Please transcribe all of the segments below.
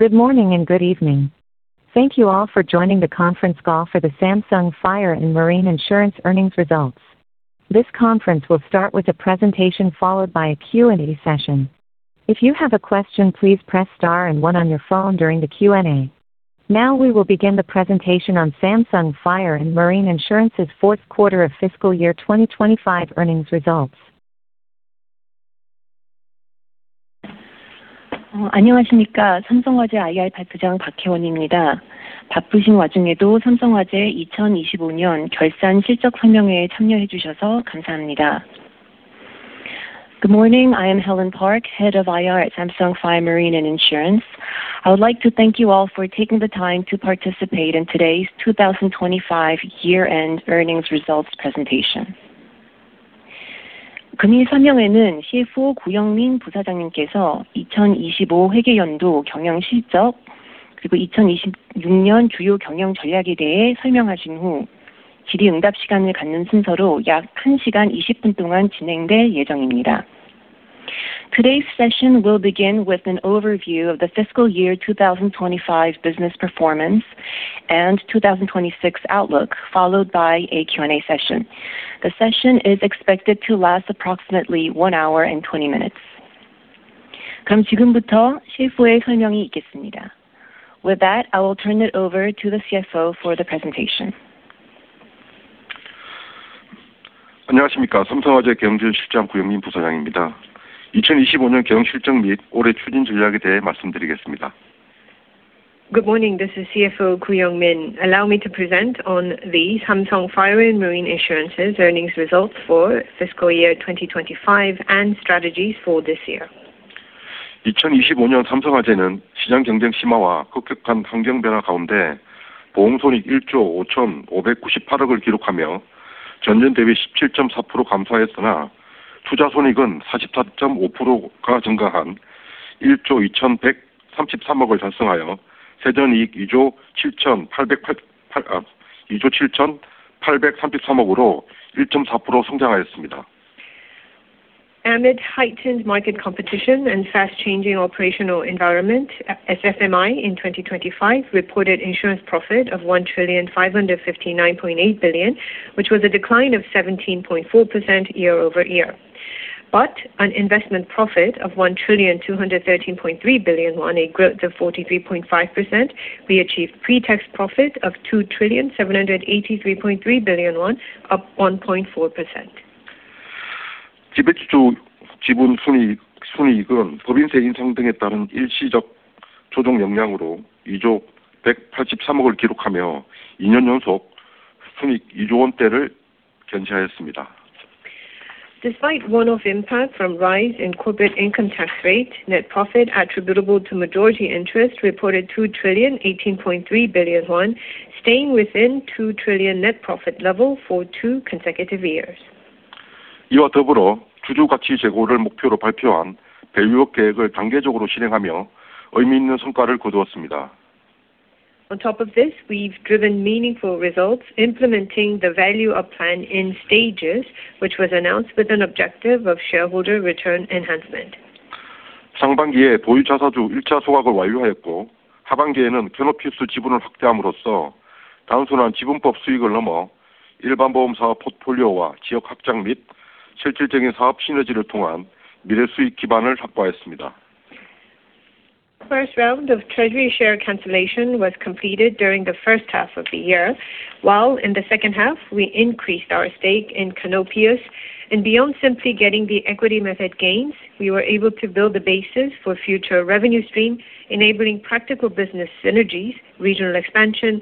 Good morning and good evening. Thank you all for joining the conference call for the Samsung Fire & Marine Insurance earnings results. This conference will start with a presentation followed by a Q&A session. If you have a question, please press star and one on your phone during the Q&A. Now, we will begin the presentation on Samsung Fire & Marine Insurance's fourth quarter of fiscal year 2025 earnings results. Samsung Fire & Marine Insurance, good morning! I am Helen Park, Head of IR at Samsung Fire & Marine Insurance. I would like to thank you all for taking the time to participate in today's 2025 year-end earnings results presentation. Today's session will begin with an overview of the fiscal year 2025 business performance while in the second half, we increased our stake in Canopius. Beyond simply getting the equity method gains, we were able to build the basis for future revenue stream, enabling practical business synergies, regional expansion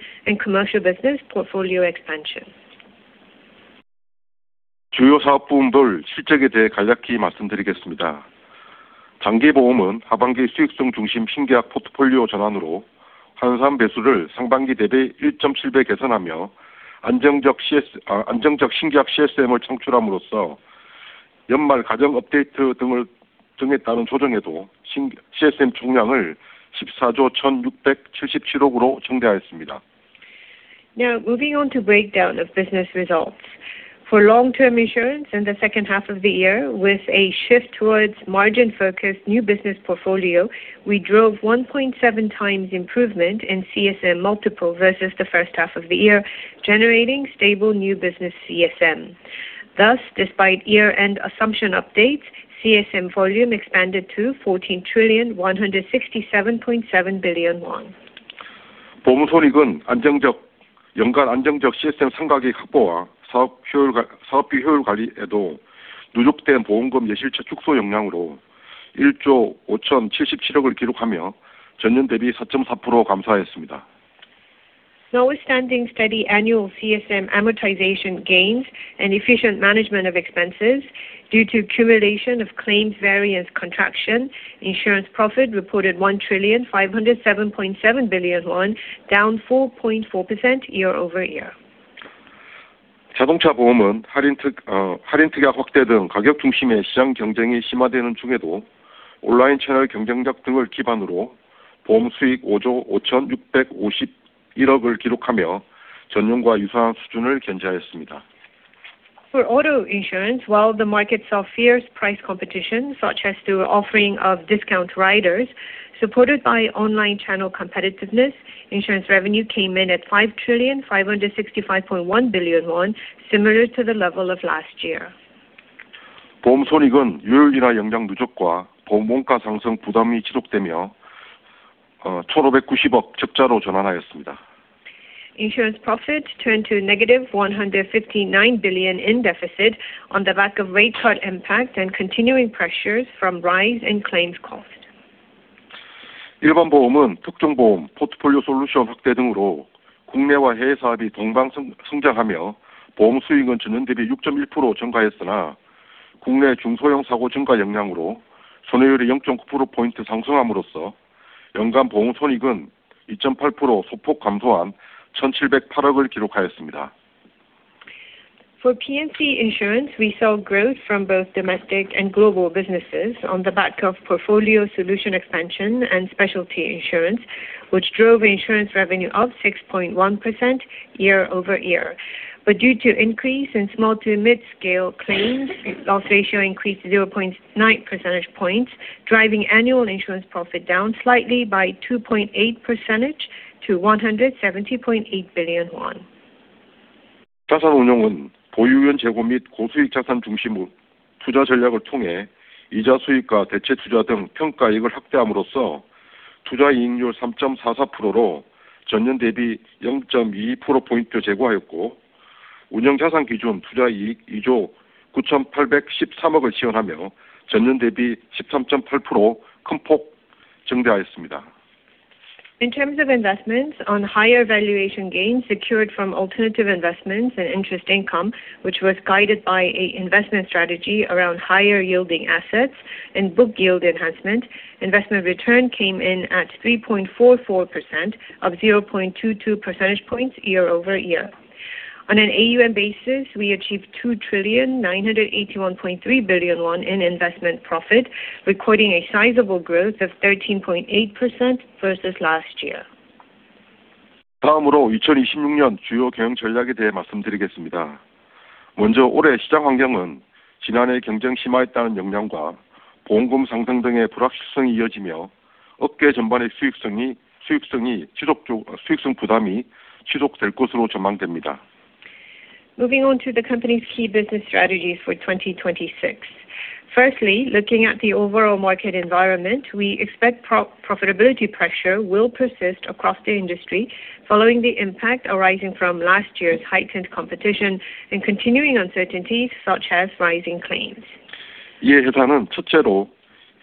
and commercial business portfolio expansion. Now, moving on to breakdown of business results. For long-term insurance in the second half of the year, with a shift towards margin-focused new business portfolio, we drove 1.7x improvement in CSM multiple versus the first half of the year, generating stable new business CSM. Thus, despite year-end assumption updates, CSM volume expanded to 14,167.7 billion won. 보험 손익은 안정적, 연간 안정적 CSM 상각의 확보와 사업 효율화, 사업비 효율 관리에도 누적된 보험금 예비차 축소 영향으로 KRW 1조 5,077억을 기록하며 전년 대비 4.4% 감소하였습니다. Notwithstanding steady annual CSM amortization gains and efficient management of expenses due to accumulation of claims variance contraction, insurance profit reported 1,507.7 billion won, down 4.4% year-over-year. 자동차 보험은 할인 특약 확대 등 가격 중심의 시장 경쟁이 심화되는 중에도 온라인 채널 경쟁력 등을 기반으로 보험 수익 KRW 5조 5천651억을 기록하며 전년과 유사한 수준을 견지하였습니다. For auto insurance, while the market saw fierce price competition, such as through offering of discount riders, supported by online channel competitiveness, insurance revenue came in at 5,565.1 billion won, similar to the level of last year. Insurance profit turned to 159 billion in deficit on the back of rate cut impact and continuing pressures from rise in claims cost. For P&C Insurance, we saw growth from both domestic and global businesses on the back of portfolio solution expansion and specialty insurance, which drove insurance revenue up 6.1% year-over-year. But due to increase in small to mid-scale claims, loss ratio increased 0.9 percentage points, driving annual insurance profit down slightly by 2.8% to KRW 170.8 billion. In terms of investments on higher valuation gains secured from alternative investments and interest income, which was guided by an investment strategy around higher yielding assets and book yield enhancement, investment return came in at 3.44% or 0.22 percentage points year-over-year. On an AUM basis, we achieved 2,981.3 billion won in investment profit, recording a sizable growth of 13.8% versus last year. Moving on to the company's key business strategies for 2026. Firstly, looking at the overall market environment, we expect profitability pressure will persist across the industry following the impact arising from last year's heightened competition and continuing uncertainties such as rising claims. As such,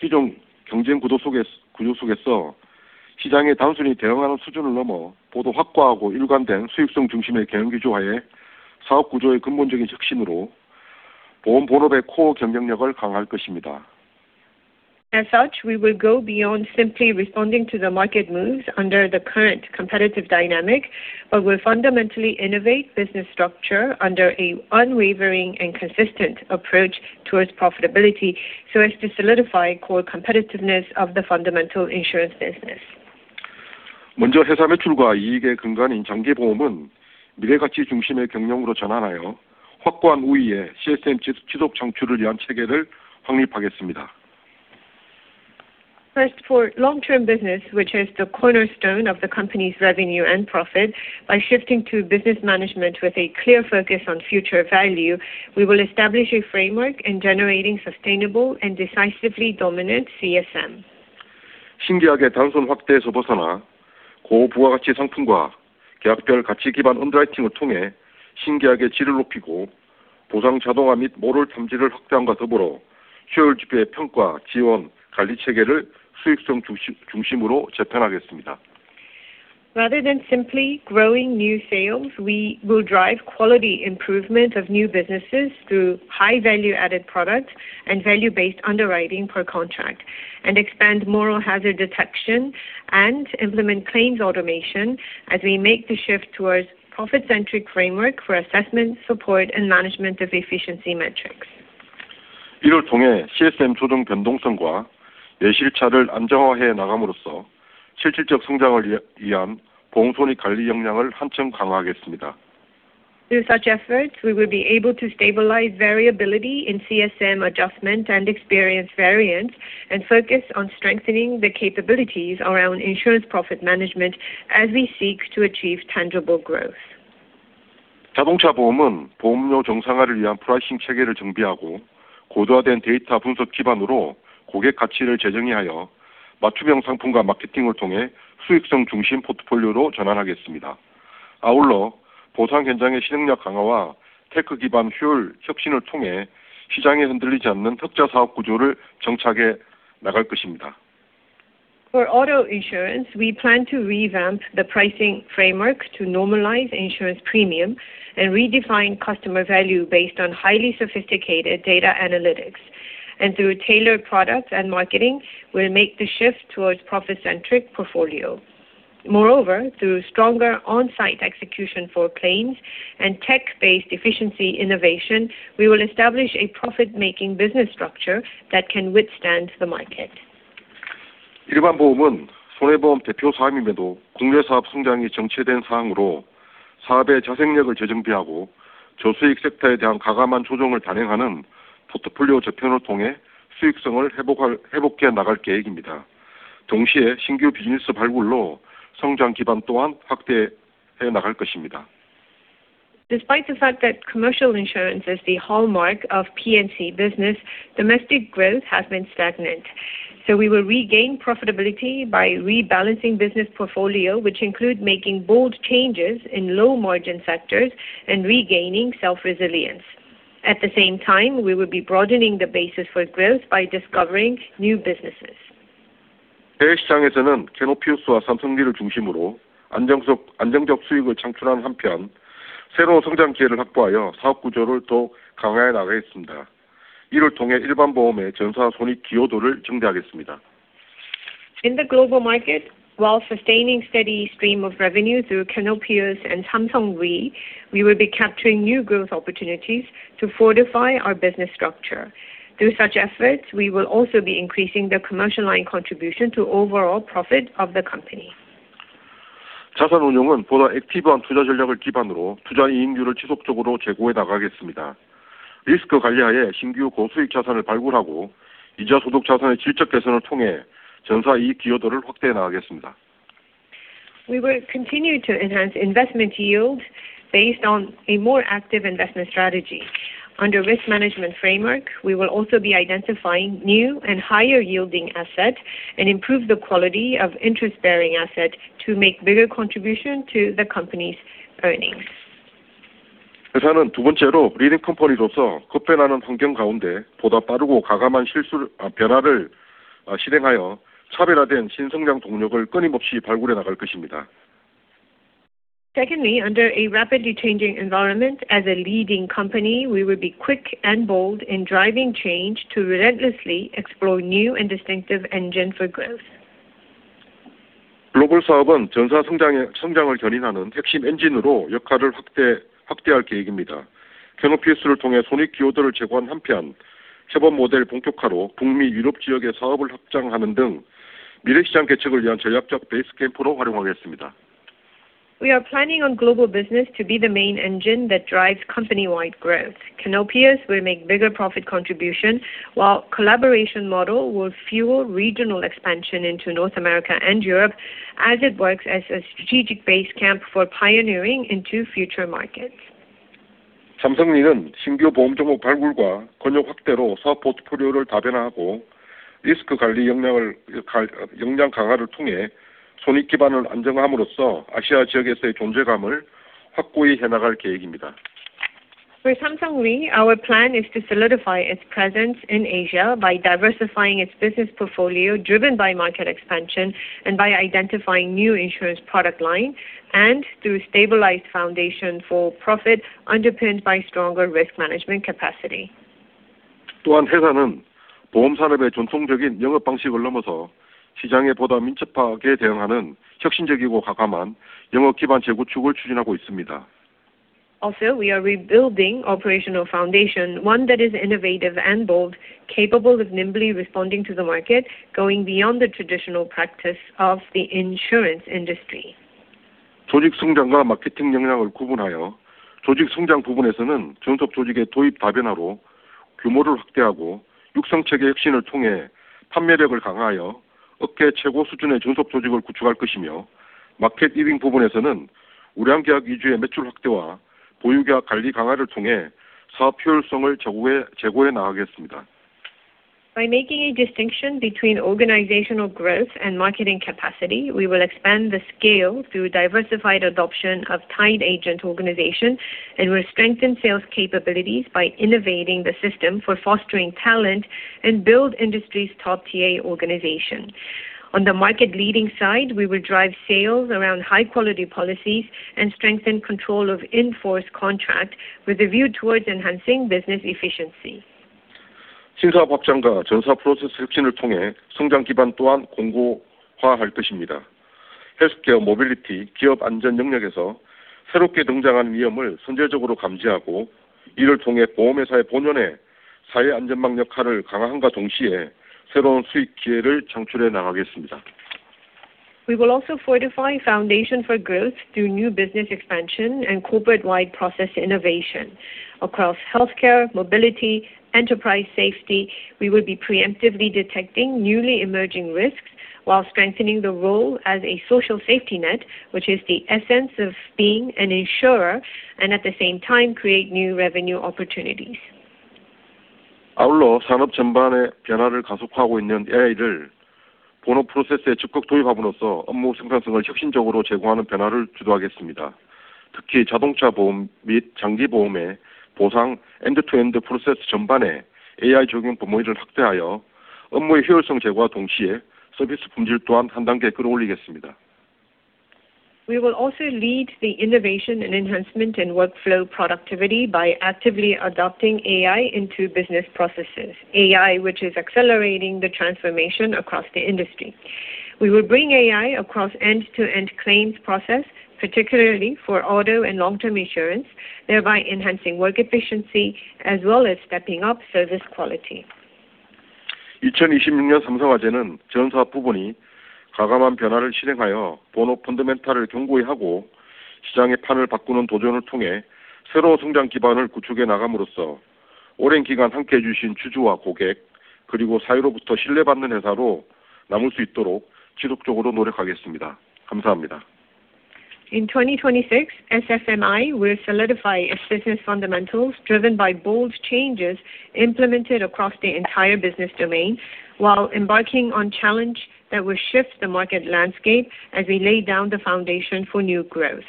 we will go beyond simply responding to the market moves under the current competitive dynamic, but will fundamentally innovate business structure under a unwavering and consistent approach towards profitability, so as to solidify core competitiveness of the fundamental insurance business. First, for long-term business, which is the cornerstone of the company's revenue and profit, by shifting to business management with a clear focus on future value, we will establish a framework in generating sustainable and decisively dominant CSM. Rather than simply growing new sales, we will drive quality improvement of new businesses through high value-added products and value-based underwriting per contract, and expand moral hazard detection and implement claims automation as we make the shift towards profit-centric framework for assessment, support, and management of efficiency metrics. Through such efforts, we will be able to stabilize variability in CSM adjustment and experience variance, and focus on strengthening the capabilities around insurance profit management as we seek to achieve tangible growth. For auto insurance, we plan to revamp the pricing framework to normalize insurance premium and redefine customer value based on highly sophisticated data analytics. Through tailored products and marketing, we'll make the shift towards profit-centric portfolio. Moreover, through stronger on-site execution for claims and tech-based efficiency innovation, we will establish a profit-making business structure that can withstand the market. 일반 보험은 손해 보험 대표 사업임에도 국내 사업 성장이 정체된 사항으로, 사업의 자생력을 재정비하고 저수익 섹터에 대한 과감한 조정을 단행하는 포트폴리오 재편을 통해 수익성을 회복해 나갈 계획입니다. 동시에 신규 비즈니스 발굴로 성장 기반 또한 확대해 나갈 것입니다. Despite the fact that commercial insurance is the hallmark of P&C business, domestic growth has been stagnant. So we will regain profitability by rebalancing business portfolio, which include making bold changes in low margin sectors and regaining self-resilience. At the same time, we will be broadening the basis for growth by discovering new businesses. 해외 시장에서는 Canopius와 Samsung Re를 중심으로 안정 속, 안정적 수익을 창출하는 한편, 새로운 성장 기회를 확보하여 사업 구조를 더 강화해 나가겠습니다. 이를 통해 일반 보험의 전사 손익 기여도를 증대하겠습니다. In the global market, while sustaining steady stream of revenue through Canopius and Samsung Re, we will be capturing new growth opportunities to fortify our business structure. Through such efforts, we will also be increasing the commercial line contribution to overall profit of the company. 자산운용은 보다 액티브한 투자 전략을 기반으로 투자 이익률을 지속적으로 제고해 나가겠습니다. 리스크 관리 하에 신규 고수익 자산을 발굴하고, 이자 소득 자산의 질적 개선을 통해 전사 이익 기여도를 확대해 나가겠습니다. We will continue to enhance investment yield based on a more active investment strategy. Under risk management framework, we will also be identifying new and higher yielding assets, and improve the quality of interest bearing assets to make bigger contribution to the company's earnings. 회사는 두 번째로, 리딩 컴퍼니로서 급변하는 환경 가운데 보다 빠르고 과감한 변화를 실행하여 차별화된 신성장 동력을 끊임없이 발굴해 나갈 것입니다. Secondly, under a rapidly changing environment, as a leading company, we will be quick and bold in driving change to relentlessly explore new and distinctive engine for growth. the contribution to profit and loss through Canopius, we will utilize it as a strategic base camp for pioneering future markets, such as expanding business in North America and Europe through the full-fledged collaboration model. We are planning on global business to be the main engine that drives company-wide growth. Canopius will make bigger profit contribution, while collaboration model will fuel regional expansion into North America and Europe, as it works as a strategic base camp for pioneering into future markets. the discovery of new insurance items and regional expansion, and by strengthening risk management capabilities, stabilize the profit base, thereby solidifying its presence in the Asia region. For Samsung Re, our plan is to solidify its presence in Asia by diversifying its business portfolio, driven by market expansion and by identifying new insurance product line, and through a stabilized foundation for profit, underpinned by stronger risk management capacity. 또한 회사는 보험 산업의 전통적인 영업 방식을 넘어서, 시장에 보다 민첩하게 대응하는 혁신적이고 과감한 영업 기반 재구축을 추진하고 있습니다. Also, we are rebuilding operational foundation, one that is innovative and bold, capable of nimbly responding to the market, going beyond the traditional practice of the insurance industry. 조직 성장과 마케팅 역량을 구분하여, 조직 성장 부분에서는 전속 조직의 도입 다변화로 규모를 확대하고, 육성 체계 혁신을 통해 판매력을 강화하여 업계 최고 수준의 전속 조직을 구축할 것이며, 마켓 리딩 부분에서는 우량 계약 위주의 매출 확대와 보유 계약 관리 강화를 통해 사업 효율성을 제고해 나가겠습니다. By making a distinction between organizational growth and marketing capacity, we will expand the scale through diversified adoption of Tied Agent organization, and will strengthen sales capabilities by innovating the system for fostering talent and build industry's top TA organization. On the market leading side, we will drive sales around high quality policies and strengthen control of in-force contract with a view towards enhancing business efficiency. 신사업 확장과 전사 프로세스 혁신을 통해 성장 기반 또한 공고화할 것입니다. 헬스케어, 모빌리티, 기업 안전 영역에서 새롭게 등장하는 위험을 선제적으로 감지하고, 이를 통해 보험회사의 본연의 사회 안전망 역할을 강화함과 동시에 새로운 수익 기회를 창출해 나가겠습니다. We will also fortify foundation for growth through new business expansion and corporate-wide process innovation across healthcare, mobility, enterprise safety. We will be preemptively detecting newly emerging risks while strengthening the role as a social safety net, which is the essence of being an insurer, and at the same time, create new revenue opportunities. 아울러 산업 전반의 변화를 가속화하고 있는 AI를 본원 프로세스에 적극 도입함으로써 업무 생산성을 혁신적으로 제고하는 변화를 주도하겠습니다. 특히, 자동차 보험 및 장기 보험의 보상 end-to-end 프로세스 전반에 AI 적용 범위를 확대하여, 업무의 효율성 제고와 동시에 서비스 품질 또한 한 단계 끌어올리겠습니다. We will also lead the innovation and enhancement in workflow productivity by actively adopting AI into business processes. AI, which is accelerating the transformation across the industry. We will bring AI across end-to-end claims process, particularly for auto and long-term insurance, thereby enhancing work efficiency as well as stepping up service quality. 2026년 삼성화재는 전 사업 부문이 과감한 변화를 실행하여 본업 펀더멘탈을 견고히 하고, 시장의 판을 바꾸는 도전을 통해 새로운 성장 기반을 구축해 나감으로써, 오랜 기간 함께해 주신 주주와 고객, 그리고 사회로부터 신뢰받는 회사로 남을 수 있도록 지속적으로 노력하겠습니다. 감사합니다. In 2026, SFMI will solidify its business fundamentals, driven by bold changes implemented across the entire business domain, while embarking on challenge that will shift the market landscape as we lay down the foundation for new growth.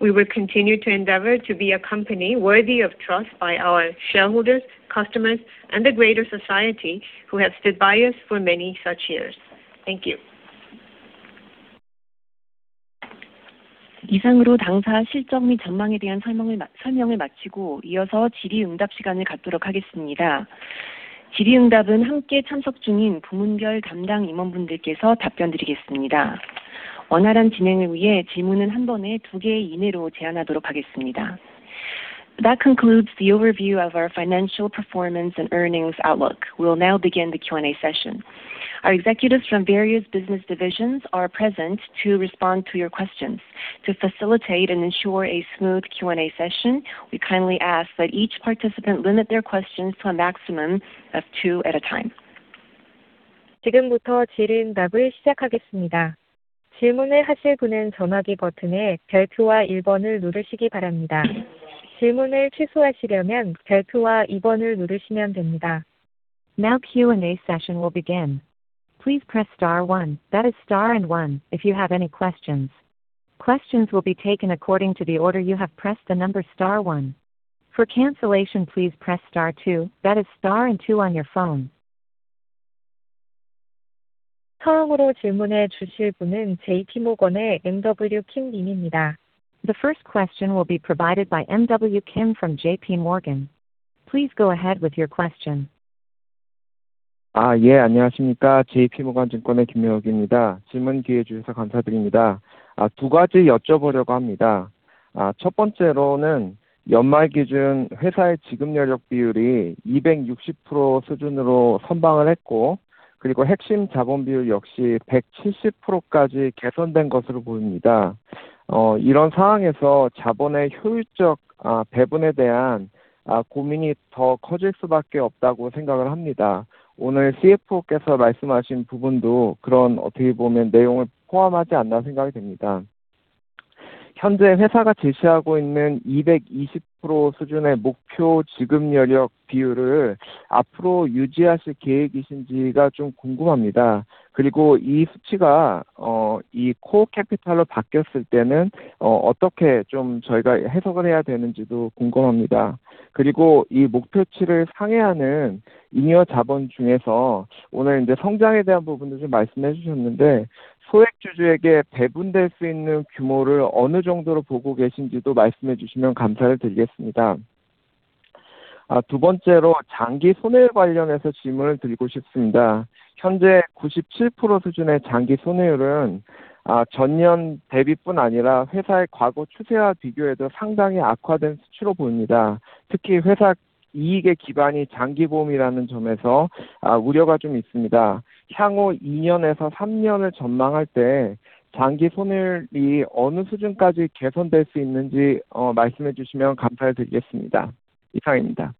We will continue to endeavor to be a company worthy of trust by our shareholders, customers, and the greater society, who have stood by us for many such years. Thank you. 이상으로 당사 실적 및 전망에 대한 설명을, 설명을 마치고 이어서 질의응답 시간을 갖도록 하겠습니다. 질의응답은 함께 참석 중인 부문별 담당 임원분들께서 답변드리겠습니다. 원활한 진행을 위해 질문은 한 번에 두개 이내로 제한하도록 하겠습니다. That concludes the overview of our financial performance and earnings outlook. We will now begin the Q&A session. Our executives from various business divisions are present to respond to your questions. To facilitate and ensure a smooth Q&A session, we kindly ask that each participant limit their questions to a maximum of two at a time. 지금부터 질의응답을 시작하겠습니다. 질문을 하실 분은 전화기 버튼에 별표와 일번을 누르시기 바랍니다. 질문을 취소하시려면 별표와 육번을 누르시면 됩니다. Now, Q&A session will begin. Please press star one, that is star and one, if you have any questions. Questions will be taken according to the order you have pressed the number star one. For cancellation, please press star two, that is star and two on your phone. 처음으로 질문해 주실 분은 J.P. Morgan의 MW Kim 님입니다. The first question will be provided by MW Kim from J.P. Morgan. Please go ahead with your question. have improved to 170%. In this situation, I think the concerns about efficient allocation of capital can't help but grow. The part mentioned by the Chief Financial Officer today also seems to include such content, I think. I am curious whether you plan to maintain the 220% level target solvency ratio that the company is currently presenting going forward. And when this figure changes to core capital, how should we interpret it, I'm also curious. And among the surplus capital exceeding this target, today you also mentioned the part about growth, so if you tell me to what extent you see the size that can be allocated to minority shareholders, I would appreciate it. Second, I want to ask regarding the long-term loss ratio. The current 97% level long-term loss ratio seems to be a significantly worsened figure not only compared to last year but also compared to the company's past trend. 특히 회사 이익의 기반이 장기 보험이라는 점에서, 우려가 좀 있습니다. 향후 이년에서 삼년을 전망할 때 장기 손해율이 어느 수준까지 개선될 수 있는지, 말씀해 주시면 감사를 드리겠습니다. 이상입니다.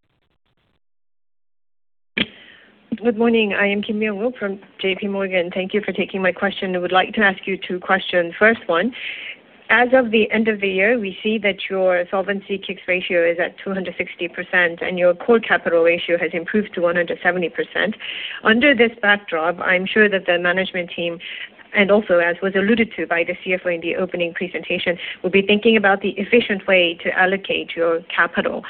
Good morning, I am Kim Myung-Wook from J.P. Morgan. Thank you for taking my question. I would like to ask you two questions. First one, as of the end of the year, we see that your solvency K-ICS ratio is at 260% and your core capital ratio has improved to 170%. Under this backdrop, I'm sure that the management team, and also as was alluded to by the Chief Financial Officer in the opening presentation, will be thinking about the efficient way to allocate your capital.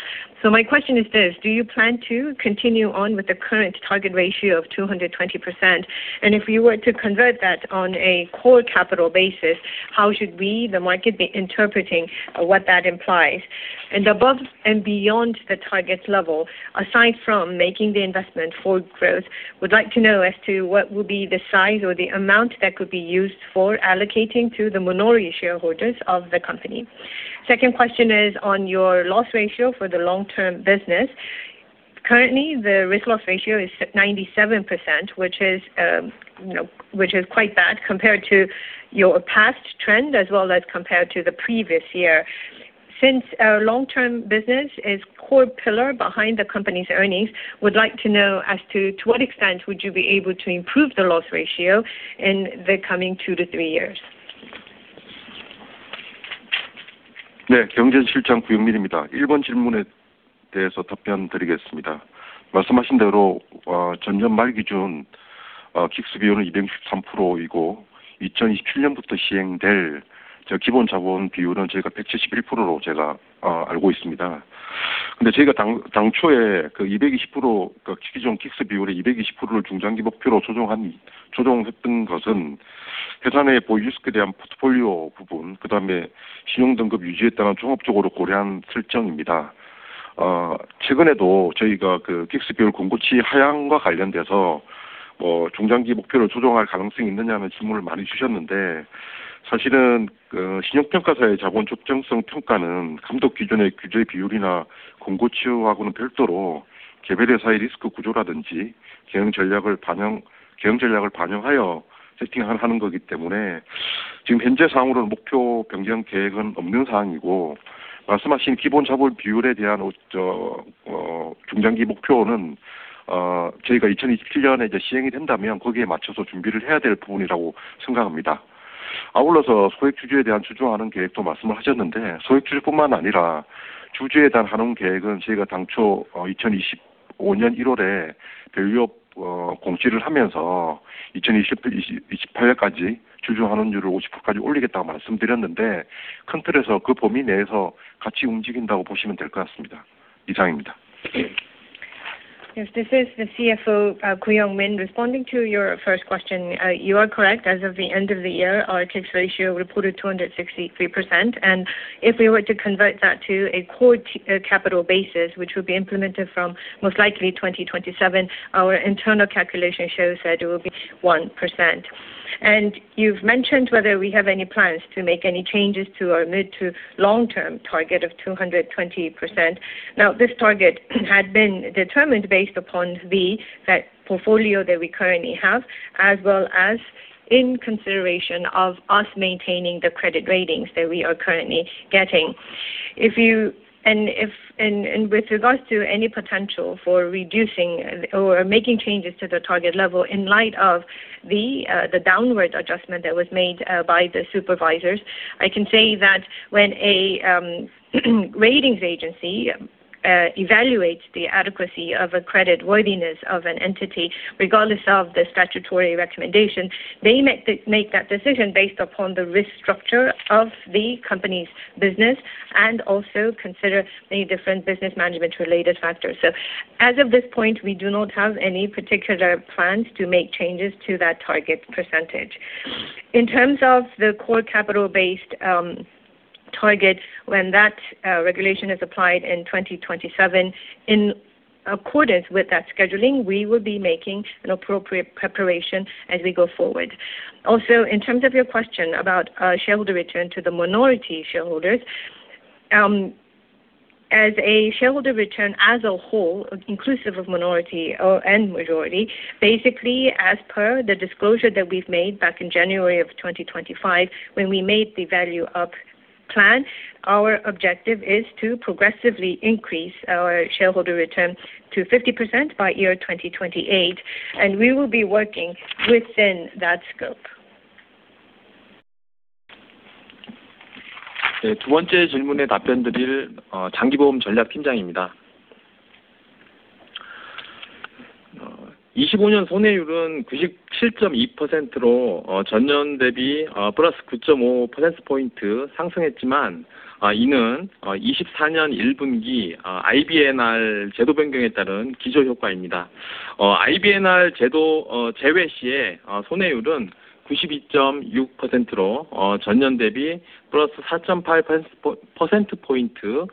So my question is this: Do you plan to continue on with the current target ratio of 220%? And if you were to convert that on a core capital basis, how should we, the market, be interpreting what that implies? Above and beyond the target level, aside from making the investment for growth, would like to know as to what will be the size or the amount that could be used for allocating to the minority shareholders of the company. Second question is on your loss ratio for the long term business. Currently, the risk loss ratio is at 97%, which is, you know, which is quite bad compared to your past trend as well as compared to the previous year. Since our long term business is core pillar behind the company's earnings, would like to know as to what extent would you be able to improve the loss ratio in the coming two to three years? 네, CFO 구용민입니다. 일번 질문에 대해서 답변드리겠습니다. 말씀하신 대로, 전년 말 기준, 킥스 비율은 263%이고, 2027년부터 시행될 기본 자본 비율은 저희가 171%로 알고 있습니다. 근데 저희가 당초에 그 220%, 그 기존 킥스 비율의 220%를 중장기 목표로 조정했던 것은 회사의 보이스크에 대한 포트폴리오 부분, 그다음에 신용등급 유지에 따라 종합적으로 고려한 설정입니다. 최근에도 저희가 그 KICS 비율 권고치 하향과 관련돼서 중장기 목표를 조정할 가능성이 있느냐는 질문을 많이 주셨는데, 사실은 그 신용평가사의 자본 적정성 평가는 감독 기준의 규제 비율이나 권고치하고는 별도로 개별 회사의 리스크 구조라든지 경영 전략을 반영하여 세팅을 하는 것이기 때문에, 지금 현재 사항으로는 목표 변경 계획은 없는 사항이고, 말씀하신 기본 자본 비율에 대한 중장기 목표는 저희가 2027년에 이제 시행이 된다면 거기에 맞춰서 준비를 해야 될 부분이라고 생각합니다. 아울러서 소액 주주에 대한 주주 환원 계획도 말씀을 하셨는데, 소액 주주뿐만 아니라 주주에 대한 환원 계획은 저희가 당초 2025년 1월에 별도 공시를 하면서 2028년까지 주주 환원율을 50%까지 올리겠다고 말씀드렸는데, 큰 틀에서 그 범위 내에서 같이 움직인다고 보시면 될것 같습니다. 이상입니다. Yes, this is the Chief Financial Officer, Koo Young-Min. Responding to your first question, you are correct. As of the end of the year, our K-ICS ratio reported 263%, and if we were to convert that to a core capital basis, which would be implemented from most likely 2027, our internal calculation shows that it will be 1%. And you've mentioned whether we have any plans to make any changes to our mid- to long-term target of 220%. Now, this target had been determined based upon the fact portfolio that we currently have, as well as in consideration of us maintaining the credit ratings that we are currently getting. If you... With regards to any potential for reducing or making changes to the target level in light of the downward adjustment that was made by the supervisors, I can say that when a ratings agency evaluates the adequacy of a creditworthiness of an entity, regardless of the statutory recommendation, they make that decision based upon the risk structure of the company's business and also consider many different business management related factors. So as of this point, we do not have any particular plans to make changes to that target percentage. In terms of the core capital based target, when that regulation is applied in 2027, in accordance with that scheduling, we will be making an appropriate preparation as we go forward. Also, in terms of your question about shareholder return to the minority shareholders, as a shareholder return as a whole, inclusive of minority or and majority, basically, as per the disclosure that we've made back in January 2025, when we made the Value-Up Plan, our objective is to progressively increase our shareholder return to 50% by year 2028, and we will be working within that scope. 네, 두 번째 질문에 답변 드릴 장기 보험 전략 팀장입니다. 2025년 손해율은 97.2%로, 전년 대비 +9.5 퍼센트 포인트 상승했지만, 이는 2024년 1분기 IBNR 제도 변경에 따른 기저효과입니다. IBNR 제도 제외 시에 손해율은 92.6%로, 전년 대비 +4.8 퍼센트 포인트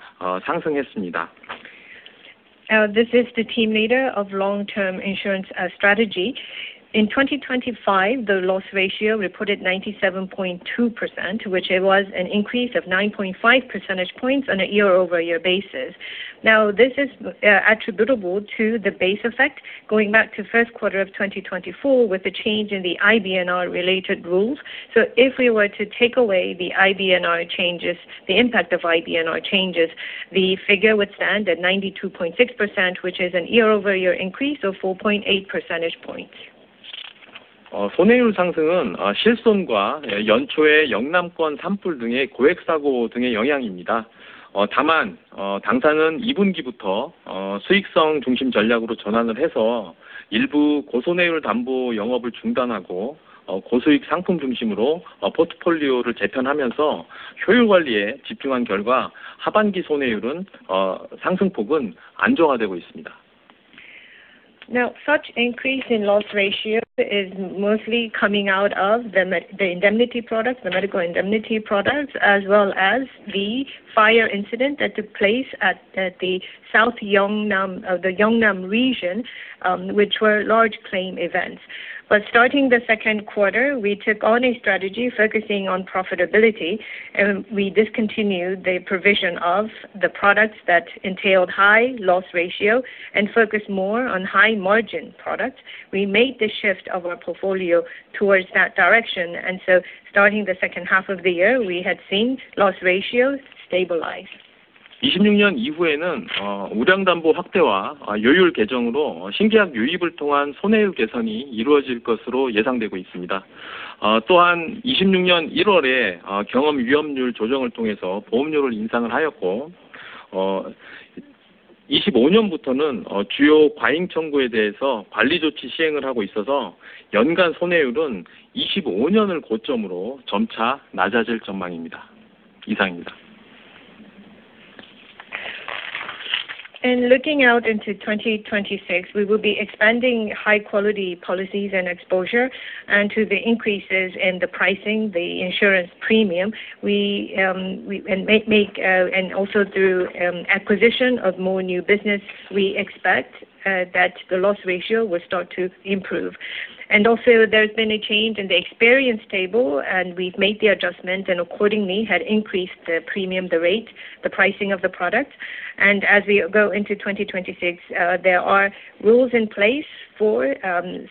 상승했습니다. This is the team leader of Long-Term Insurance Strategy. In 2025, the loss ratio reported 97.2%, which it was an increase of 9.5 percentage points on a year-over-year basis. Now, this is attributable to the base effect going back to first quarter of 2024, with the change in the IBNR related rules. So if we were to take away the IBNR changes, the impact of IBNR changes, the figure would stand at 92.6%, which is a year-over-year increase of 4.8 percentage points. 손해율 상승은, 실손과 연초에 영남권 산불 등의 고액 사고 등의 영향입니다. 다만, 당사는 이분기부터, 수익성 중심 전략으로 전환을 해서 일부 고손해율 담보 영업을 중단하고, 고수익 상품 중심으로, 포트폴리오를 재편하면서 효율 관리에 집중한 결과 하반기 손해율은, 상승폭은 안정화되고 있습니다. Now, such increase in loss ratio is mostly coming out of the medical indemnity products, as well as the fire incident that took place at the South Yeongnam, the Yeongnam region, which were large claim events. But starting the second quarter, we took on a strategy focusing on profitability, and we discontinued the provision of the products that entailed high loss ratio and focused more on high margin products. We made the shift of our portfolio towards that direction, and so starting the second half of the year, we had seen loss ratios stabilize. 2026년 이후에는, 우량담보 확대와, 요율 개정으로 신계약 유입을 통한 손해율 개선이 이루어질 것으로 예상되고 있습니다. 또한 2026년 1월에, 경험 위험률 조정을 통해서 보험료를 인상을 하였고, 2025년부터는, 주요 과잉 청구에 대해서 관리 조치 시행을 하고 있어서 연간 손해율은 2025년을 고점으로 점차 낮아질 전망입니다. 이상입니다. And looking out into 2026, we will be expanding high quality policies and exposure and to the increases in the pricing, the insurance premium. We and also through acquisition of more new business, we expect that the loss ratio will start to improve. And also there's been a change in the experience table, and we've made the adjustment and accordingly had increased the premium, the rate, the pricing of the product. And as we go into 2026, there are rules in place for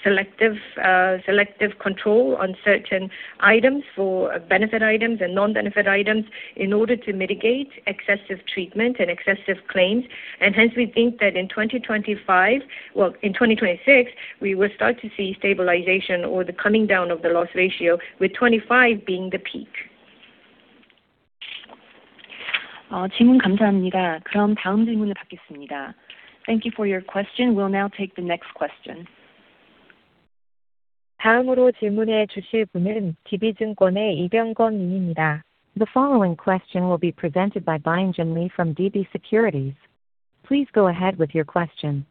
selective control on certain items, for benefit items and non-benefit items, in order to mitigate excessive treatment and excessive claims. And hence we think that in 2025, well, in 2026, we will start to see stabilization or the coming down of the loss ratio, with 25 being the peak. Thank you for your question. We'll now take the next question. The following question will be presented by Lee Byung-Gun from DB Securities. Please go ahead with your question.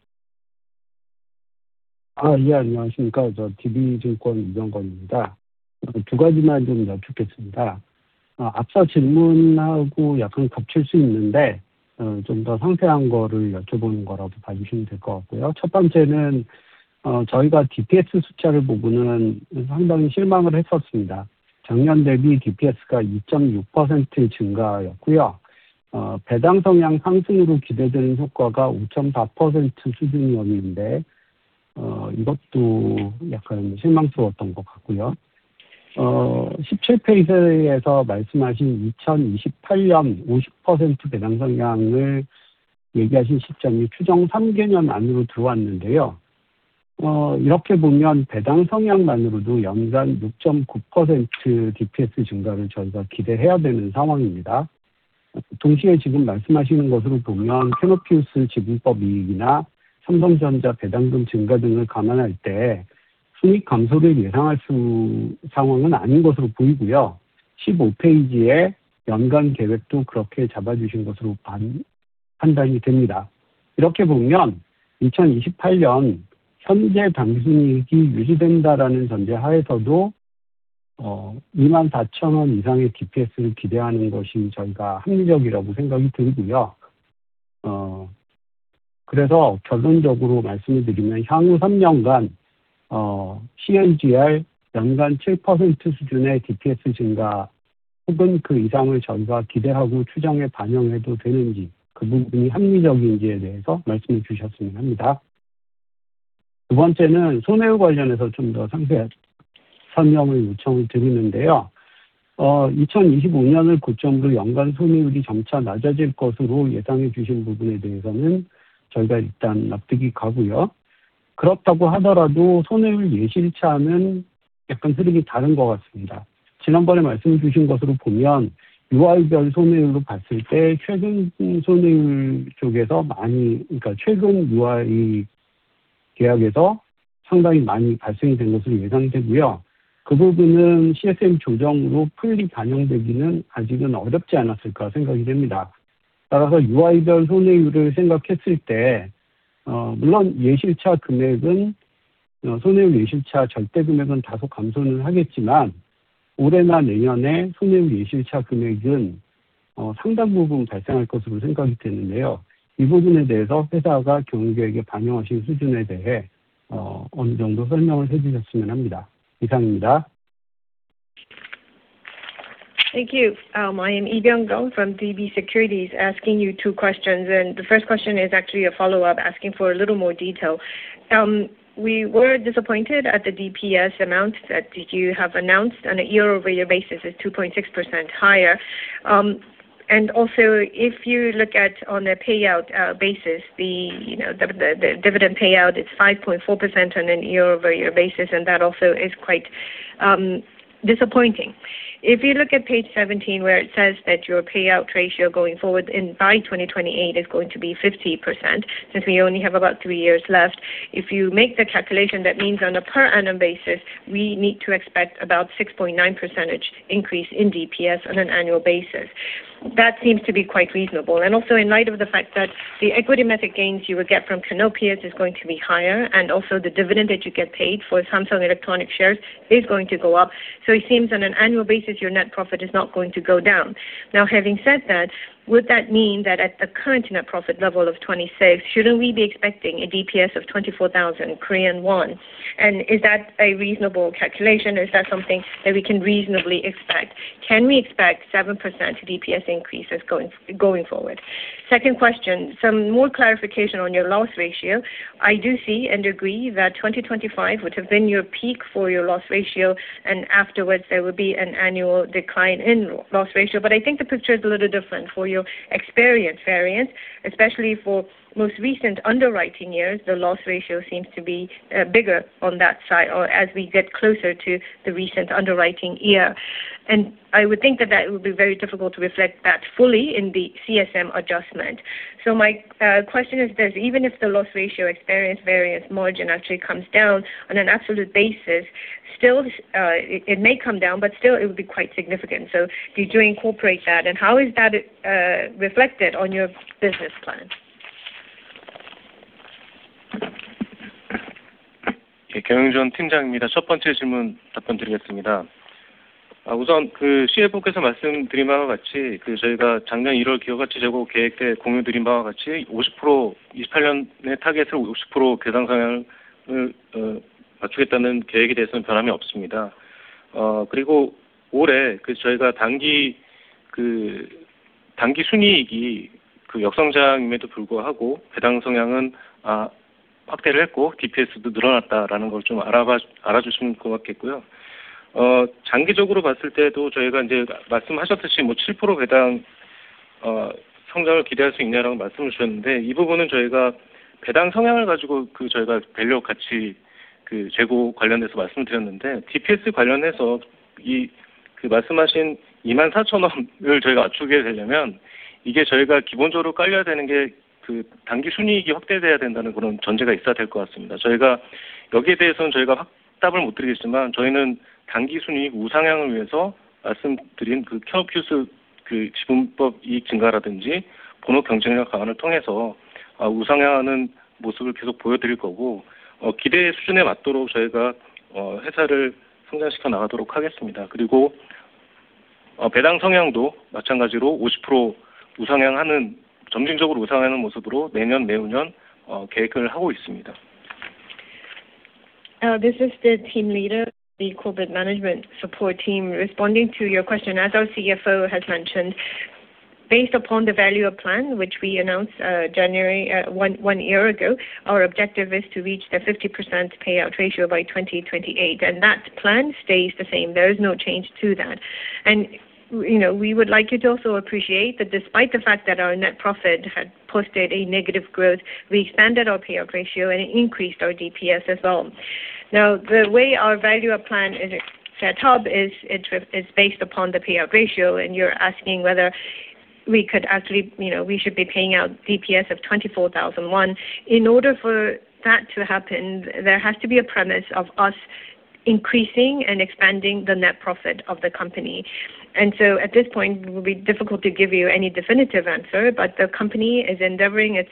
Uh, yeah. Thank you. I am Lee Byung-Gun from DB Securities, asking you two questions, and the first question is actually a follow-up, asking for a little more detail. We were disappointed at the DPS amount that you have announced on a year-over-year basis is 2.6% higher. And also, if you look at on a payout basis, you know, the dividend payout is 5.4% on a year-over-year basis, and that also is quite disappointing. If you look at page 17, where it says that your payout ratio going forward and by 2028 is going to be 50%, since we only have about three years left. If you make the calculation, that means on a per annum basis, we need to expect about 6.9% increase in DPS on an annual basis. That seems to be quite reasonable. Also in light of the fact that the equity method gains you will get from Canopius is going to be higher, and also the dividend that you get paid for Samsung Electronics shares is going to go up. So it seems on an annual basis, your net profit is not going to go down. Now, having said that, would that mean that at the current net profit level of, shouldn't we be expecting a DPS of 24,000 Korean won? And is that a reasonable calculation or is that something that we can reasonably expect? Can we expect 7% DPS increases going, going forward? Second question, some more clarification on your loss ratio. I do see and agree that 2025 would have been your peak for your loss ratio, and afterwards there would be an annual decline in loss ratio. But I think the picture is a little different for your experience variance, especially for most recent underwriting years, the loss ratio seems to be bigger on that side or as we get closer to the recent underwriting year. I would think that it would be very difficult to reflect that fully in the CSM adjustment. My question is this: even if the loss ratio experience variance margin actually comes down on an absolute basis. Still, it may come down, but still it will be quite significant. Do you incorporate that? And how is that reflected on your business plan? 네, 경영지원 팀장입니다. 첫 번째 질문 답변드리겠습니다. 우선 그 CFO께서 말씀드린 바와 같이, 그 저희가 작년 1월 기업가치 제고 계획 때 공유드린 바와 같이, 50%, 2028년에 타겟을 50% 배당 성향을 맞추겠다는 계획에 대해서는 변함이 없습니다. 그리고 올해 그 저희가 당기, 그 당기 순이익이 그 역성장임에도 불구하고 배당 성향은 확대를 했고, DPS도 늘어났다라는 걸좀 알아주시면 좋을 것 같고요. 장기적으로 봤을 때도 저희가 이제 말씀하셨듯이 7% 배당 성장을 기대할 수 있냐라고 말씀을 주셨는데, 이 부분은 저희가 배당 성향을 가지고 그 저희가 밸류 같이 그 제고 관련돼서 말씀드렸는데, DPS 관련해서 그 말씀하신 KRW 24,000을 저희가 맞추게 되려면, 이게 저희가 기본적으로 깔려야 되는 게, 그 당기 순이익이 확대돼야 된다는 그런 전제가 있어야 될것 같습니다. 저희가 여기에 대해서는 저희가 확답을 못 드리겠지만, 저희는 당기 순이익 우상향을 위해서 말씀드린 그 Canopius, 그 지분법 이익 증가라든지, 본업 경쟁력 강화를 통해서, 우상향하는 모습을 계속 보여드릴 거고, 기대의 수준에 맞도록 저희가, 회사를 성장시켜 나가도록 하겠습니다. 그리고, 배당 성향도 마찬가지로 50% 우상향하는, 점진적으로 우상향하는 모습으로 내년, 내후년, 계획을 하고 있습니다. This is the team leader, the corporate management support team, responding to your question. As our Chief Financial Officer has mentioned, based upon the Value-Up Plan, which we announced January 11, one year ago, our objective is to reach the 50% payout ratio by 2028, and that plan stays the same. There is no change to that. You know, we would like you to also appreciate that despite the fact that our net profit had posted a negative growth, we expanded our payout ratio and increased our DPS as well. Now, the way our Value-Up Plan is set up is, it is based upon the payout ratio, and you're asking whether we could actually, you know, we should be paying out DPS of 24,000 won. In order for that to happen, there has to be a premise of us increasing and expanding the net profit of the company. And so at this point, it will be difficult to give you any definitive answer, but the company is endeavoring its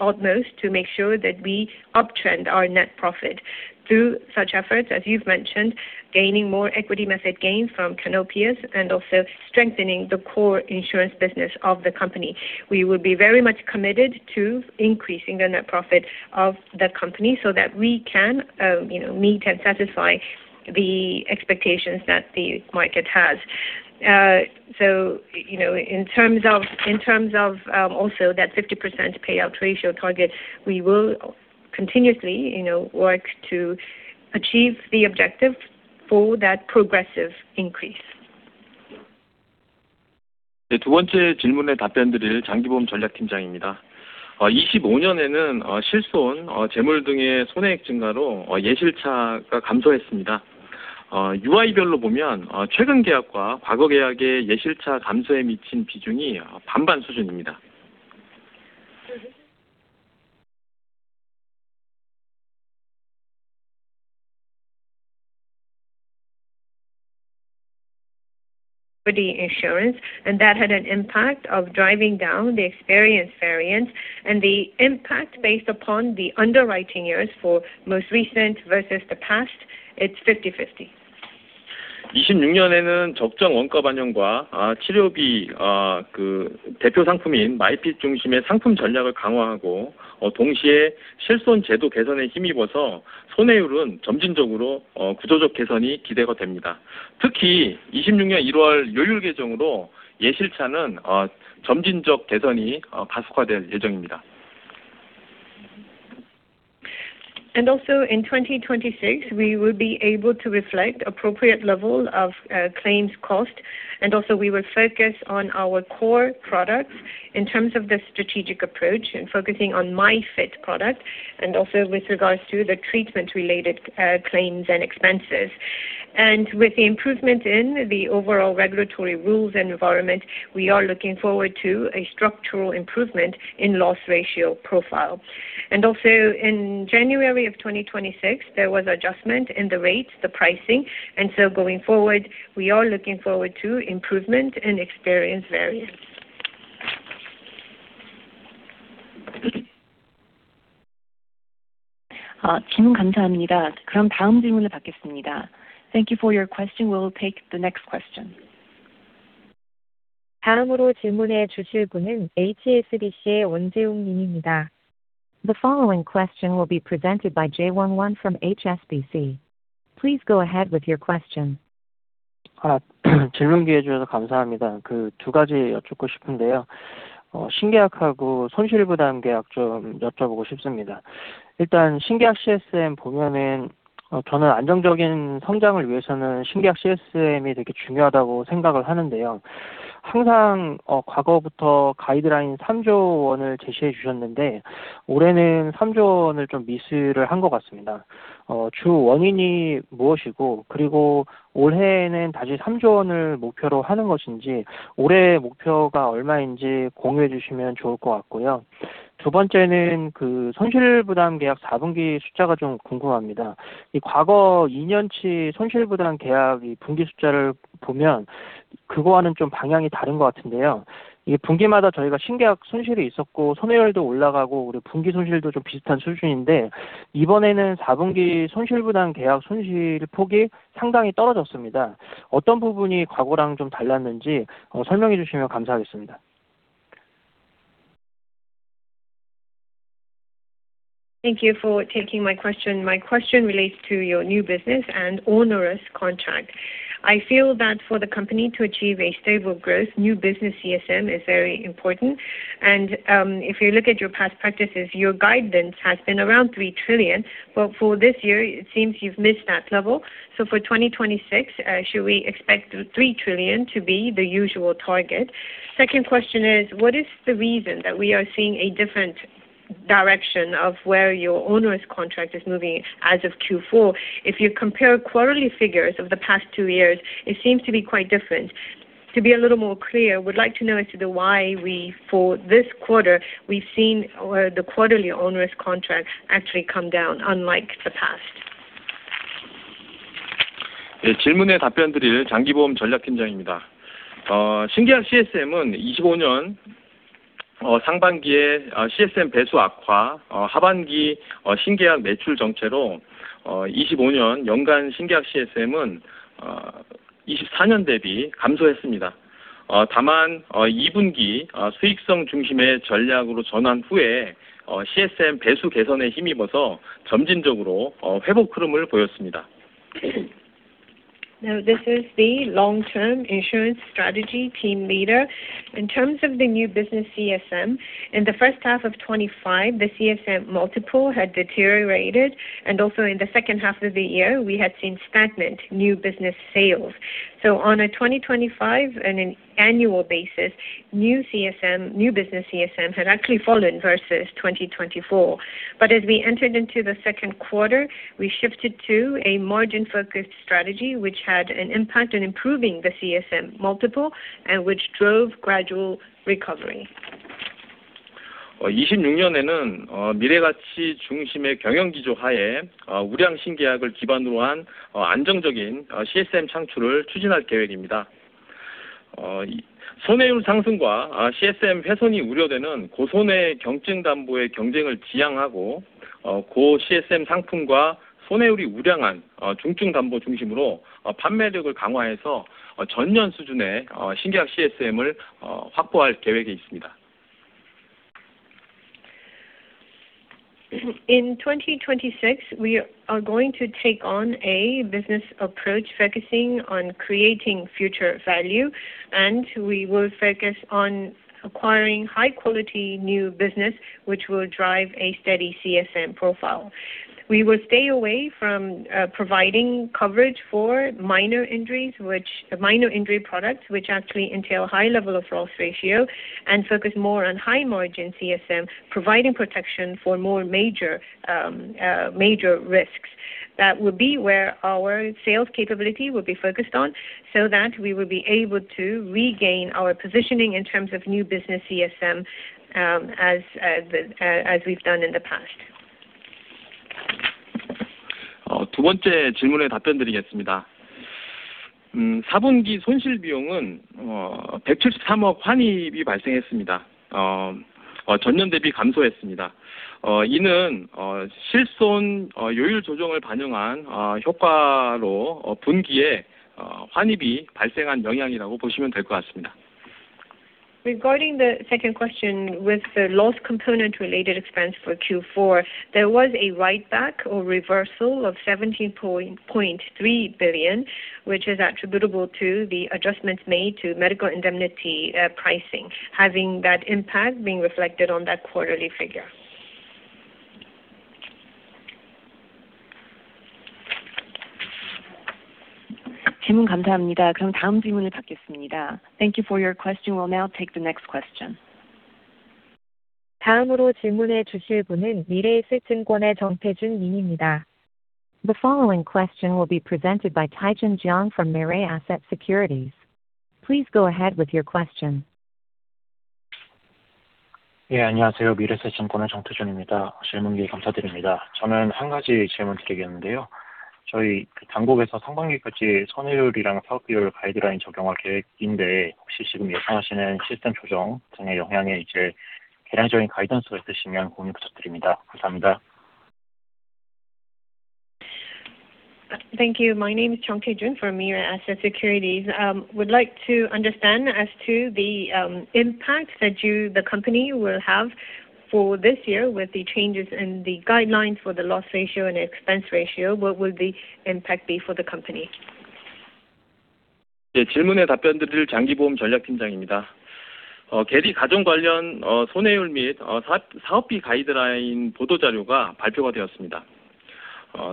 utmost to make sure that we uptrend our net profit through such efforts, as you've mentioned, gaining more equity method gains from Canopius, and also strengthening the core insurance business of the company. We will be very much committed to increasing the net profit of the company so that we can, you know, meet and satisfy the expectations that the market has. So, you know, in terms of, in terms of, also that 50% payout ratio target, we will continuously, you know, work to achieve the objective for that progressive increase. 네, 두 번째 질문에 답변드릴 장기보험 전략팀장입니다. 25년에는, 실손, 재물 등의 손해액 증가로, 예실차가 감소했습니다. UI 별로 보면, 최근 계약과 과거 계약의 예실차 감소에 미친 비중이, 50/50 수준입니다. Insurance, and that had an impact of driving down the experience variance, and the impact based upon the underwriting years for most recent versus the past, it's 50/50. 2026년에는 적정 원가 반영과, 치료비, 그 대표 상품인 마이핏 중심의 상품 전략을 강화하고, 동시에 실손 제도 개선에 힘입어서 손해율은 점진적으로 구조적 개선이 기대가 됩니다. 특히 2026년 1월 요율 개정으로 예실차는 점진적 개선이 가속화될 예정입니다. And also in 2026, we will be able to reflect appropriate level of, claims cost, and also we will focus on our core products in terms of the strategic approach and focusing on My Fit product, and also with regards to the treatment related, claims and expenses. And with the improvement in the overall regulatory rules and environment, we are looking forward to a structural improvement in loss ratio profile. And also in January of 2026, there was adjustment in the rates, the pricing, and so going forward, we are looking forward to improvement and experience variance. 질문 감사합니다. 그럼 다음 질문을 받겠습니다. Thank you for your question. We'll take the next question. The following question will be presented by Jay Won Won from HSBC. Please go ahead with your question. 질문 기회 주셔서 감사합니다. 그두 가지 여쭙고 싶은데요. 신계약하고 손실부담 계약 좀 여쭤보고 싶습니다. 일단 신계약 CSM 보면은, 저는 안정적인 성장을 위해서는 신계약 CSM이 되게 중요하다고 생각을 하는데요. 항상, 과거부터 가이드라인 3조 원을 제시해 주셨는데, 올해는 3조 원을 좀 미스를 한것 같습니다. 주 원인이 무엇이고, 그리고 올해에는 다시 3조 원을 목표로 하는 것인지, 올해 목표가 얼마인지 공유해 주시면 좋을 것 같고요. 두 번째는 그 손실부담 계약 4분기 숫자가 좀 궁금합니다. 이 과거 2년치 손실부담 계약이 분기 숫자를 보면 그거와는 좀 방향이 다른 것 같은데요. 이게 분기마다 저희가 신계약 손실이 있었고, 손해율도 올라가고, 우리 분기 손실도 좀 비슷한 수준인데, 이번에는 4분기 손실부담 계약 손실 폭이 상당히 떨어졌습니다. 어떤 부분이 과거랑 좀 달랐는지 설명해 주시면 감사하겠습니다. Thank you for taking my question. My question relates to your new business and onerous contract. I feel that for the company to achieve a stable growth, new business CSM is very important. And if you look at your past practices, your guidance has been around 3 trillion. But for this year, it seems you've missed that level. So for 2026, should we expect 3 trillion to be the usual target? Second question is: What is the reason that we are seeing a different direction of where your onerous contract is moving as of Q4? If you compare quarterly figures of the past two years, it seems to be quite different. To be a little more clear, we'd like to know as to the why we, for this quarter, we've seen, or the quarterly onerous contracts actually come down, unlike the past. 예, 질문에 답변드릴 장기보험 전략팀장입니다. 신계약 CSM은 2025년, 상반기에 CSM 배수 악화, 하반기, 신계약 매출 정체로, 2025년 연간 신계약 CSM은 2024년 대비 감소했습니다. 다만 이 분기, 수익성 중심의 전략으로 전환 후에, CSM 배수 개선에 힘입어서 점진적으로 회복 흐름을 보였습니다. Now, this is the long-term insurance strategy team leader. In terms of the new business CSM, in the first half of 2025, the CSM multiple had deteriorated, and also in the second half of the year, we had seen stagnant new business sales. So on a 2025 and an annual basis, new CSM, new business CSM had actually fallen versus 2024. But as we entered into the second quarter, we shifted to a margin-focused strategy, which had an impact on improving the CSM multiple and which drove gradual recovery. 2026년에는 미래가치 중심의 경영 기조 하에 우량 신계약을 기반으로 한 안정적인 CSM 창출을 추진할 계획입니다. 손해율 상승과 CSM 훼손이 우려되는 고손해 경증 담보의 경쟁을 지양하고, 고 CSM 상품과 손해율이 우량한 중증 담보 중심으로 판매력을 강화해서 전년 수준의 신계약 CSM을 확보할 계획에 있습니다. In 2026, we are going to take on a business approach focusing on creating future value, and we will focus on acquiring high quality new business, which will drive a steady CSM profile. We will stay away from providing coverage for minor injuries, which minor injury products, which actually entail high level of loss ratio, and focus more on high margin CSM, providing protection for more major, major risks. That would be where our sales capability will be focused on, so that we will be able to regain our positioning in terms of new business CSM, as we've done in the past. 두 번째 질문에 답변드리겠습니다. 4분기 손실 비용은 KRW 173억 환입이 발생했습니다. 전년 대비 감소했습니다. 이는 실손 요율 조정을 반영한 효과로 분기에 환입이 발생한 영향이라고 보시면 될것 같습니다. Regarding the second question, with the loss component related expense for Q4, there was a write back or reversal of 70.3 billion, which is attributable to the adjustments made to medical indemnity pricing, having that impact being reflected on that quarterly figure. 질문 감사합니다. 그럼 다음 질문을 받겠습니다. Thank you for your question. We'll now take the next question. is Tae Joon Jeong from Mirae Asset Securities. The following question will be presented by Tae Joon Jeong from Mirae Asset Securities. Please go ahead with your question. 예, 안녕하세요. 미래에셋증권의 정태준입니다. 질문 기회 감사드립니다. 저는 한 가지 질문드리겠는데요. 저희 당국에서 상반기까지 손해율이랑 사업비율 가이드라인 적용할 계획인데, 혹시 지금 예상하시는 시스템 조정 등의 영향에 이제 계량적인 가이던스가 있으시면 공유 부탁드립니다. 감사합니다. Thank you. My name is Tae Joon Jeong from Mirae Asset Securities. Would like to understand as to the impact that you, the company, will have for this year with the changes in the guidelines for the loss ratio and expense ratio, what will the impact be for the company? 예, 질문에 답변드릴 장기보험 전략팀장입니다. 개리 가정 관련 손해율 및 사업비 가이드라인 보도자료가 발표가 되었습니다.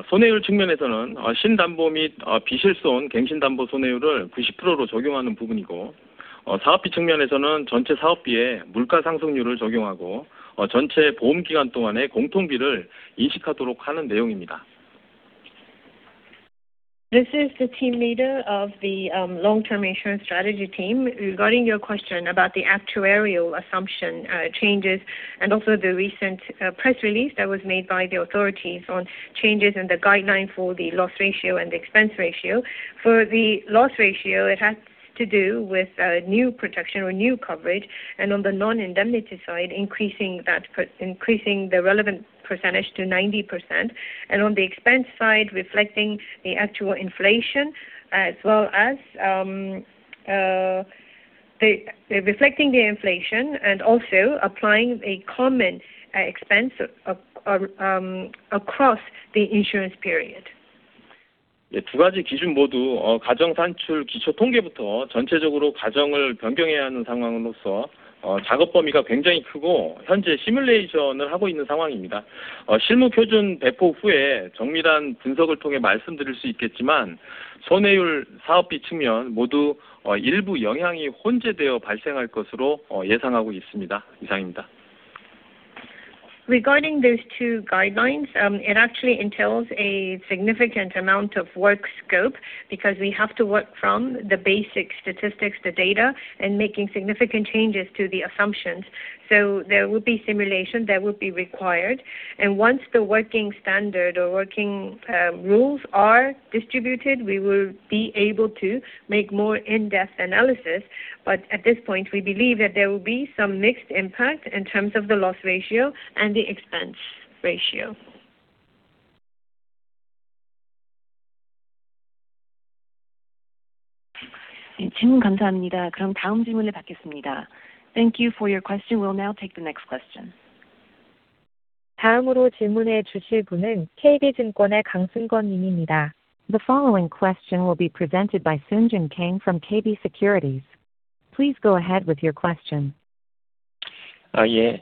손해율 측면에서는 신담보 및 비실손 갱신 담보 손해율을 90%로 적용하는 부분이고, 사업비 측면에서는 전체 사업비에 물가상승률을 적용하고, 전체 보험기간 동안의 공통비를 인식하도록 하는 내용입니다. This is the team leader of the long-term insurance strategy team. Regarding your question about the actuarial assumption changes and also the recent press release that was made by the authorities on changes in the guideline for the loss ratio and the expense ratio. For the loss ratio, it has to do with new protection or new coverage, and on the non-indemnity side, increasing that per, increasing the relevant percentage to 90%, and on the expense side, reflecting the actual inflation as well as the reflecting the inflation and also applying a common expense across the insurance period. Yeah, speaking in Korean. Regarding those two guidelines, it actually entails a significant amount of work scope, because we have to work from the basic statistics, the data, and making significant changes to the assumptions. So there will be simulation that will be required, and once the working standard or working rules are distributed, we will be able to make more in-depth analysis. But at this point, we believe that there will be some mixed impact in terms of the loss ratio and the expense ratio. Thank you for your question. We'll now take the next question. The following question will be presented by Seung-Gun Kang from KB Securities. Please go ahead with your question. Yeah,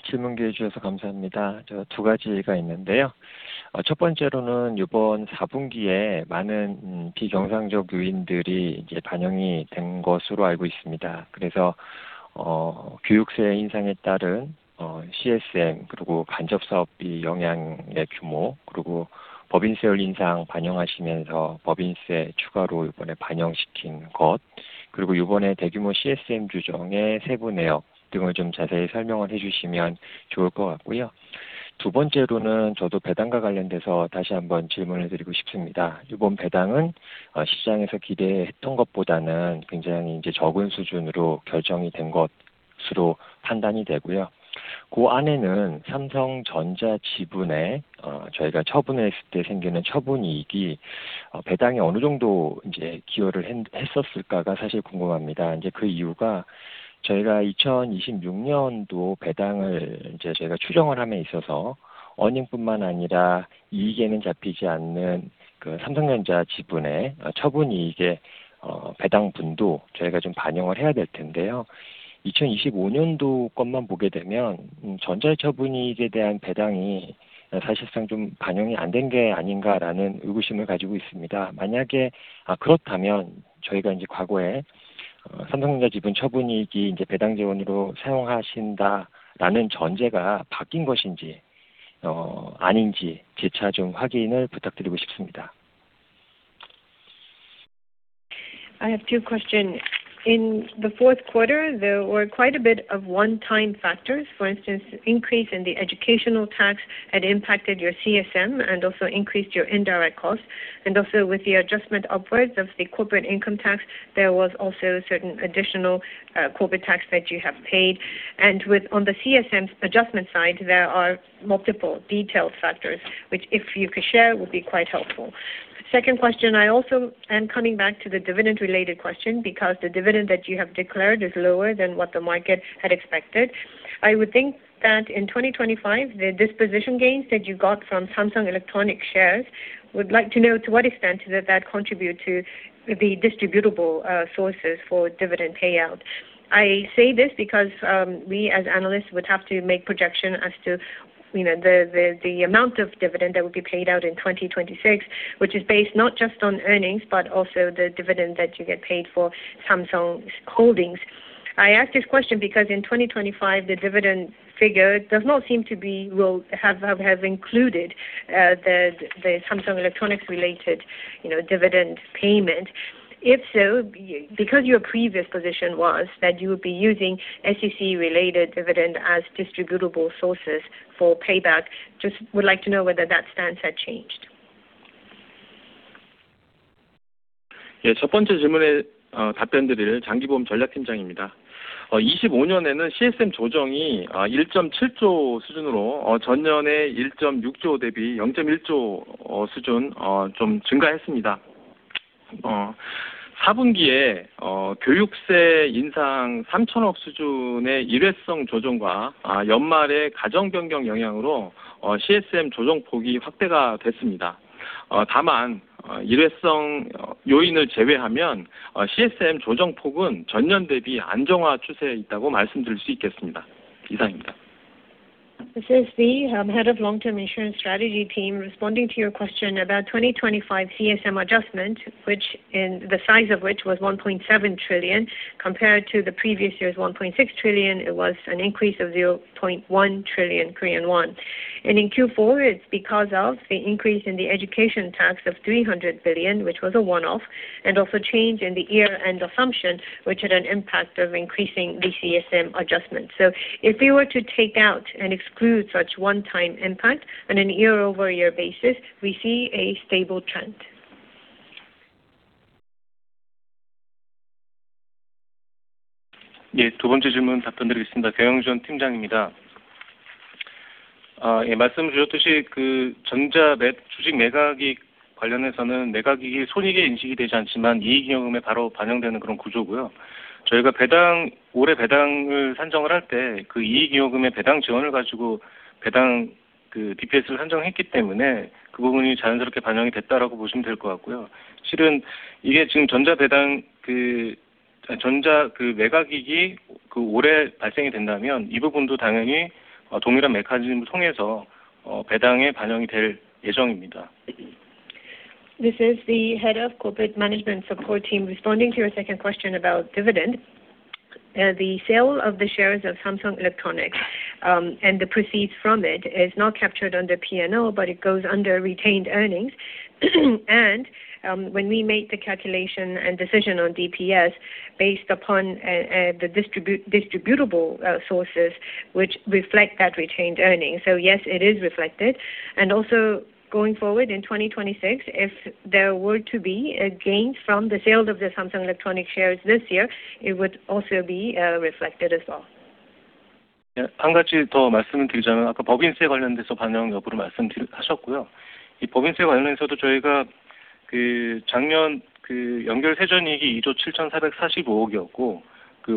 speaking in Korean. I have two questions. In the fourth quarter, there were quite a bit of one-time factors. For instance, increase in the educational tax had impacted your CSM and also increased your indirect costs. And also with the adjustment upwards of the corporate income tax, there was also certain additional corporate tax that you have paid. And with, on the CSM adjustment side, there are multiple detailed factors, which, if you could share, would be quite helpful. Second question, I also am coming back to the dividend-related question because the dividend that you have declared is lower than what the market had expected. I would think that in 2025, the disposition gains that you got from Samsung Electronics shares, would like to know to what extent did that contribute to the distributable sources for dividend payout? I say this because we, as analysts, would have to make projection as to, you know, the amount of dividend that would be paid out in 2026, which is based not just on earnings, but also the dividend that you get paid for Samsung's holdings. I ask this question because in 2025, the dividend figure does not seem to be... will have included the Samsung Electronics related, you know, dividend payment. If so, because your previous position was that you would be using SEC related dividend as distributable sources for payback, just would like to know whether that stance had changed. Yeah, speaking in Korean. This is the head of long-term insurance strategy team, responding to your question about 2025 CSM adjustment, which in the size of which was 1.7 trillion compared to the previous year's 1.6 trillion. It was an increase of 0.1 trillion Korean won. And in Q4, it's because of the increase in the education tax of 300 billion, which was a one-off, and also change in the year-end assumption, which had an impact of increasing the CSM adjustment. So if we were to take out and exclude such one-time impact on a year-over-year basis, we see a stable trend. 예, 두 번째 질문 답변드리겠습니다. 계영준 팀장입니다. 예, 말씀해 주셨듯이, 그 전자 매, 주식 매각익 관련해서는 매각익이 손익이 인식이 되지 않지만, 이익잉여금에 바로 반영되는 그런 구조고요. 저희가 배당, 올해 배당을 산정을 할때그 이익잉여금의 배당 지원을 가지고 배당, 그 DPS를 산정했기 때문에 그 부분이 자연스럽게 반영이 됐다라고 보시면 될것 같고요. 실은 이게 지금 전자배당, 전자, 매각익이 그 올해 발생이 된다면, 이 부분도 당연히 동일한 메커니즘을 통해서 배당에 반영이 될 예정입니다. This is the Head of Corporate Management Support team. Responding to your second question about dividend. The sale of the shares of Samsung Electronics, and the proceeds from it is not captured under PNL, but it goes under retained earnings. And, when we make the calculation and decision on DPS based upon, the distributable sources which reflect that retained earnings. So yes, it is reflected. And also going forward in 2026, if there were to be a gain from the sale of the Samsung Electronics shares this year, it would also be reflected as well. 예, 한 가지 더 말씀을 드리자면 아까 법인세 관련돼서 반영 여부를 말씀드려 하셨고요. 이 법인세 관련해서도 저희가 작년 연결 세전이익이 KRW 2.745 trillion이었고,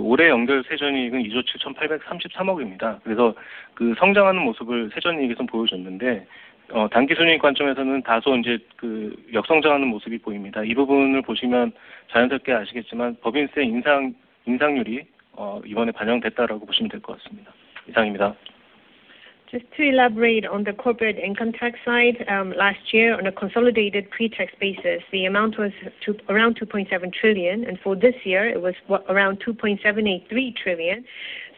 올해 연결 세전이익은 2.783 trillion입니다. 그래서 성장하는 모습을 세전이익이 좀 보여줬는데, 당기순이익 관점에서는 다소 이제 역성장하는 모습이 보입니다. 이 부분을 보시면 자연스럽게 아시겠지만, 법인세 인상, 인상률이 이번에 반영됐다라고 보시면 될것 같습니다. 이상입니다. Just to elaborate on the corporate income tax side. Last year, on a consolidated pre-tax basis, the amount was around 2.7 trillion, and for this year it was what? Around 2.783 trillion.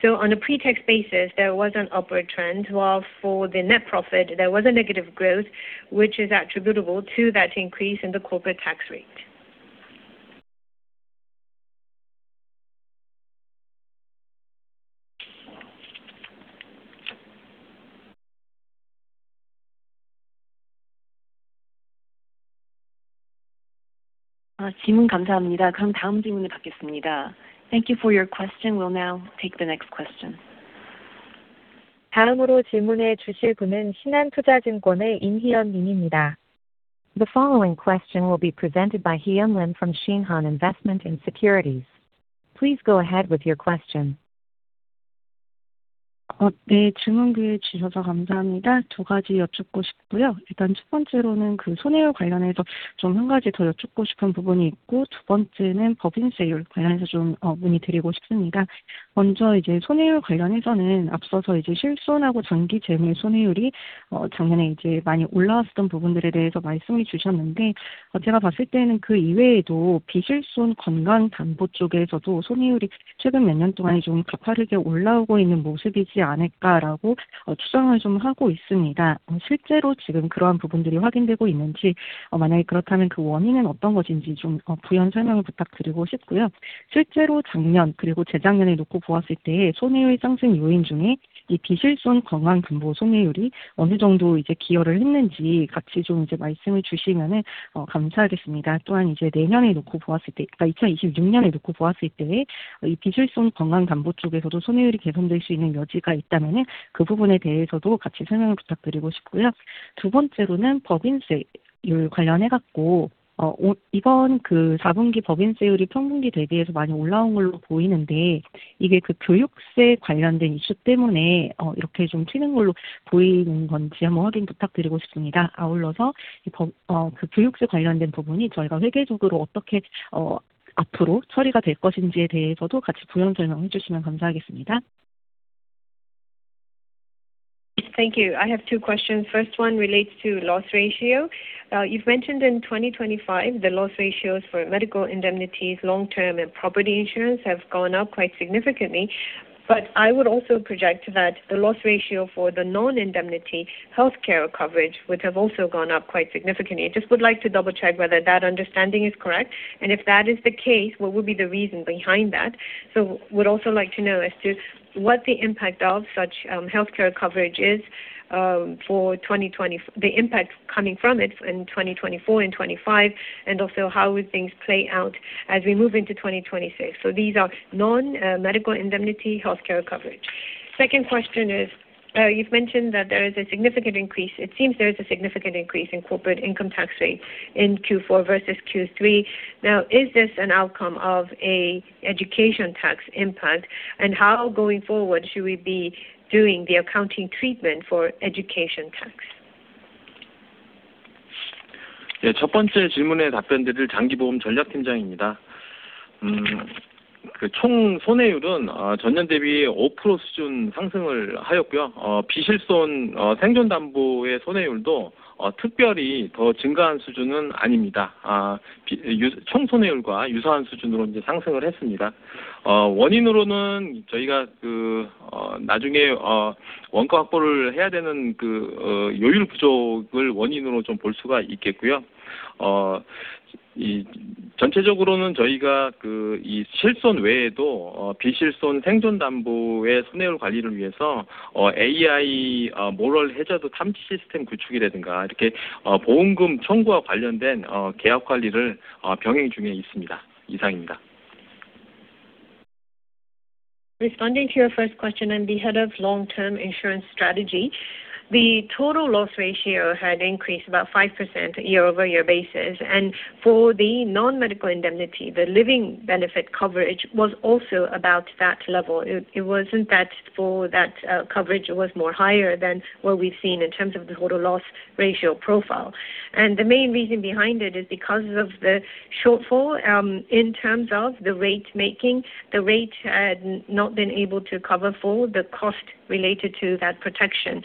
So on a pre-tax basis, there was an upward trend, while for the net profit there was a negative growth, which is attributable to that increase in the corporate tax rate. 아, 질문 감사합니다. 그럼 다음 질문을 받겠습니다. Thank you for your question. We'll now take the next question. Hee-yeon Lim from Shinhan Investment and Securities. The following question will be presented by Hee-yeon Lim from Shinhan Investment and Securities. Please go ahead with your question. 네, 질문 기회 주셔서 감사합니다. 두 가지 여쭙고 싶고요. 일단 첫 번째로는 그 손해율 관련해서 좀한 가지 더 여쭙고 싶은 부분이 있고, 두 번째는 법인세율 관련해서 좀 문의드리고 싶습니다. 먼저, 이제 손해율 관련해서는 앞서서 이제 실손하고 정기보험 손해율이 작년에 이제 많이 올라왔었던 부분들에 대해서 말씀을 주셨는데, 제가 봤을 때는 그 이외에도 비실손 건강 담보 쪽에서도 손해율이 최근 몇년 동안에 좀 가파르게 올라오고 있는 모습이지 않을까라고 추정을 좀 하고 있습니다. 실제로 지금 그러한 부분들이 확인되고 있는지, 만약에 그렇다면 그 원인은 어떤 것인지, 좀 부연 설명을 부탁드리고 싶고요. 실제로 작년 그리고 재작년에 놓고 보았을 때 손해율 상승 요인 중에 이 비실손 건강 담보 손해율이 어느 정도 이제 기여를 했는지 같이 좀 이제 말씀을 주시면 감사하겠습니다. 또한, 이제 내년에 놓고 보았을 때, 그러니까 2026년에 놓고 보았을 때, 이 비실손 건강 담보 쪽에서도 손해율이 개선될 수 있는 여지가 있다면 그 부분에 대해서도 같이 설명을 부탁드리고 싶고요. 두 번째로는 법인세율 관련해 갖고, 이번 그 사분기 법인세율이 전분기 대비해서 많이 올라온 걸로 보이는데, 이게 그 교육세 관련된 이슈 때문에 이렇게 좀 튀는 걸로 보이는 건지 한번 확인 부탁드리고 싶습니다. 아울러서 이 법인세, 그 교육세 관련된 부분이 저희가 회계적으로 어떻게 앞으로 처리가 될 것인지에 대해서도 같이 부연 설명을 해주시면 감사하겠습니다. Thank you. I have two questions. First one relates to loss ratio. You've mentioned in 2025, the loss ratios for medical indemnities, long-term and property insurance have gone up quite significantly. But I would also project that the loss ratio for the non-indemnity healthcare coverage would have also gone up quite significantly. I just would like to double check whether that understanding is correct, and if that is the case, what would be the reason behind that? So would also like to know as to what the impact of such healthcare coverage is for 2024 and 2025, and also how would things play out as we move into 2026? So these are non medical indemnity healthcare coverage. Second question is, you've mentioned that there is a significant increase... It seems there is a significant increase in corporate income tax rate in Q4 versus Q3. Now, is this an outcome of an education tax impact? How, going forward, should we be doing the accounting treatment for education tax? 예, 첫 번째 질문에 답변드릴 장기보험 전략팀장입니다. 그총 손해율은 전년 대비 5% 수준 상승을 하였고요. 비실손 생존 담보의 손해율도 특별히 더 증가한 수준은 아닙니다. 총손해율과 유사한 수준으로 이제 상승을 했습니다. 원인으로는 저희가 그, 나중에 원가 확보를 해야 되는 그, 요율 부족을 원인으로 좀볼 수가 있겠고요.... 전체적으로는 저희가 이 실손 외에도 비실손 생존 담보의 손해율 관리를 위해서 AI 모럴 해저드 탐지 시스템 구축이라든가, 이렇게 보험금 청구와 관련된 계약 관리를 병행 중에 있습니다. 이상입니다. Responding to your first question and the head of long-term insurance strategy, the total loss ratio had increased about 5% year-over-year basis, and for the non-medical indemnity, the living benefit coverage was also about that level. It wasn't that for that coverage was more higher than what we've seen in terms of the total loss ratio profile. The main reason behind it is because of the shortfall in terms of the rate making. The rate had not been able to cover for the cost related to that protection.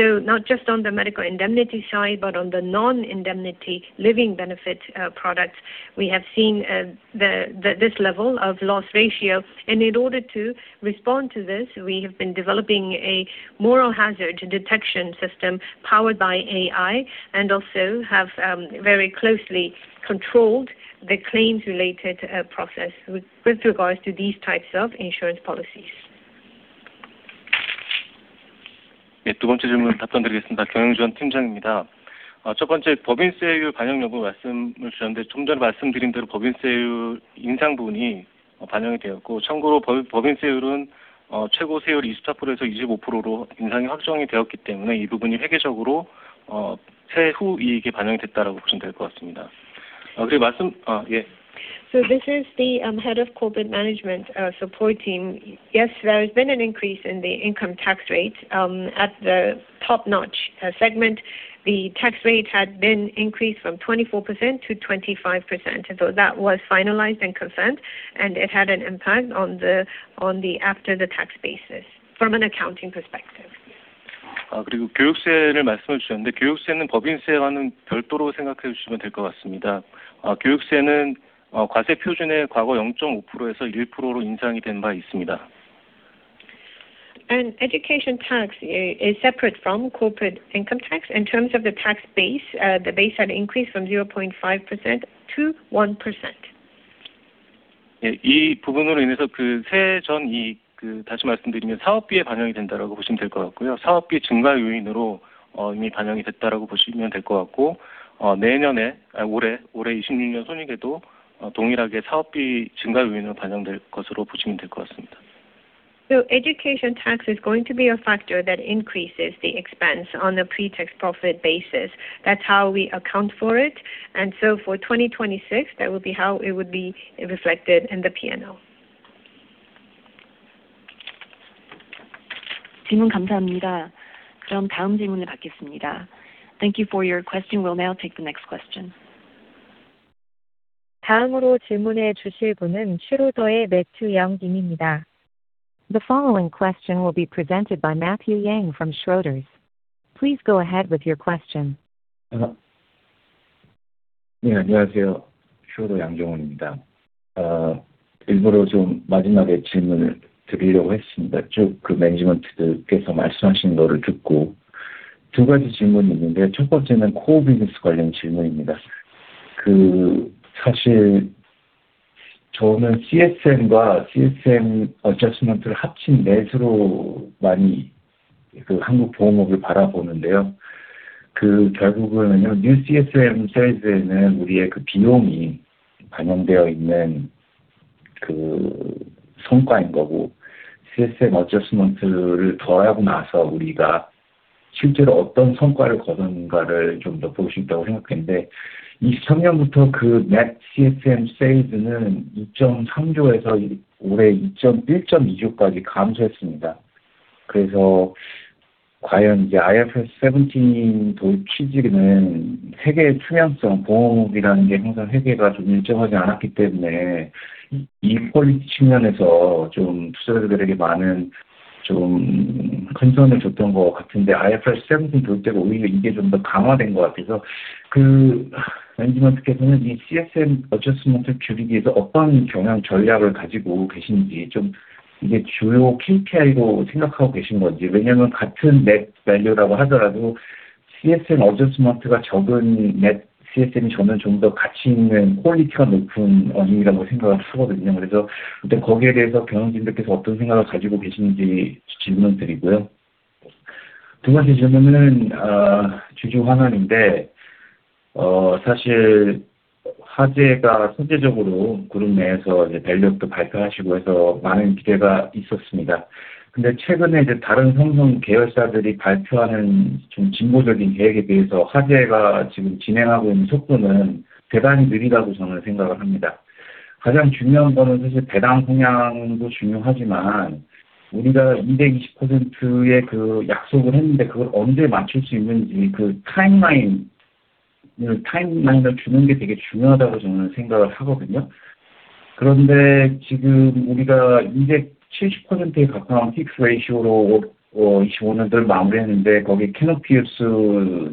So not just on the medical indemnity side, but on the non-indemnity living benefit products, we have seen this level of loss ratio. In order to respond to this, we have been developing a moral hazard detection system powered by AI, and also have very closely controlled the claims related process with regards to these types of insurance policies. 예, 두 번째 질문 답변드리겠습니다. 경영지원 팀장입니다. 첫 번째, 법인세율 반영 여부 말씀을 주셨는데, 좀 전에 말씀드린 대로 법인세율 인상분이 반영이 되었고, 참고로 법인세율은 최고 세율 24%에서 25%로 인상이 확정되어 이 부분이 회계적으로 세후 이익이 반영이 됐다라고 보시면 될것 같습니다. 그리고 말씀... 예. So this is the head of corporate management support team. Yes, there has been an increase in the income tax rate at the top-notch segment. The tax rate had been increased from 24%-25%. So that was finalized and consent, and it had an impact on the after-tax basis from an accounting perspective. 그리고 교육세를 말씀을 주셨는데, 교육세는 법인세와는 별도로 생각해주시면 될것 같습니다. 교육세는 과세 표준의 과거 0.5%에서 1%로 인상이 된바 있습니다. Education tax is separate from corporate income tax. In terms of the tax base, the base had increased from 0.5%-1%. 예, 이 부분으로 인해서 그 세전 이익, 그, 다시 말씀드리면 사업비에 반영이 된다라고 보시면 될것 같고요. 사업비 증가 요인으로 이미 반영이 됐다라고 보시면 될것 같고, 내년에, 올해, 올해 2026년 손익에도 동일하게 사업비 증가 요인으로 반영될 것으로 보시면 될것 같습니다. So education tax is going to be a factor that increases the expense on the pre-tax profit basis. That's how we account for it. And so for 2026, that will be how it would be reflected in the PNL. 질문 감사합니다. 그럼 다음 질문을 받겠습니다. Thank you for your question. We'll now take the next question. 다음으로 질문해 주실 분은 Schroders의 Matthew Yang님입니다. The following question will be presented by Matthew Yang from Schroders. Please go ahead with your question. 네, 안녕하세요. Schroders 양정원입니다. 일부러 좀 마지막에 질문을 드리려고 했습니다. 쭉 management들께서 말씀하신 것을 듣고, 두 가지 질문이 있는데요. 첫 번째는 core business 관련 질문입니다. 사실 저는 CSM과 CSM adjustment를 합친 net으로 많이 한국보험업을 바라보는데요. 결국에는요, new CSM size에는 우리의 비용이 반영되어 있는 성과인 거고, CSM adjustment를 더하고 나서 우리가 실제로 어떤 성과를 거두는가를 좀더볼수 있다고 생각했는데, 2023년부터 net CSM sales는 KRW 2.3 trillion에서 올해 KRW 2.1 trillion까지 감소했습니다. 그래서 과연 이제 IFRS 17 도입 취지는 회계의 투명성, 보험이라는 게 항상 회계가 좀 일정하지 않았기 때문에, 이 quality 측면에서 투자자들에게 많은 큰 손을 줬던 것 같은데, IFRS 17 도입이 오히려 이게 좀더 강화된 것 같아서 management께서는 이 CSM adjustment를 줄이기 위해서 어떤 경영 전략을 가지고 계신지, 이게 주요 KPI로 생각하고 계신 건지. 왜냐하면 같은 net value라고 하더라도 CSM adjustment가 적은 net CSM이 저는 좀더 가치 있는, quality가 높은 earning이라고 생각을 하거든요. 그래서 일단 거기에 대해서 경영진들께서 어떤 생각을 가지고 계신지 질문드리고요. 두 번째 질문은, 주주 환원인데, 사실 화재가 자체적으로 그룹 내에서 이제 Value-Up도 발표하시고 해서 많은 기대가 있었습니다. 근데 최근에 이제 다른 삼성 계열사들이 발표하는 좀 진보적인 계획에 비해서 화재가 지금 진행하고 있는 속도는 대단히 느리다고 저는 생각을 합니다. 가장 중요한 거는 사실 배당 성향도 중요하지만, 우리가 200%의 그 약속을 했는데, 그걸 언제 맞출 수 있는지, 그 타임라인을 주는 게 되게 중요하다고 저는 생각을 하거든요? 그런데 지금 우리가 170%에 가까운 K-ICS ratio로 2025년도를 마무리했는데, 거기 Canopius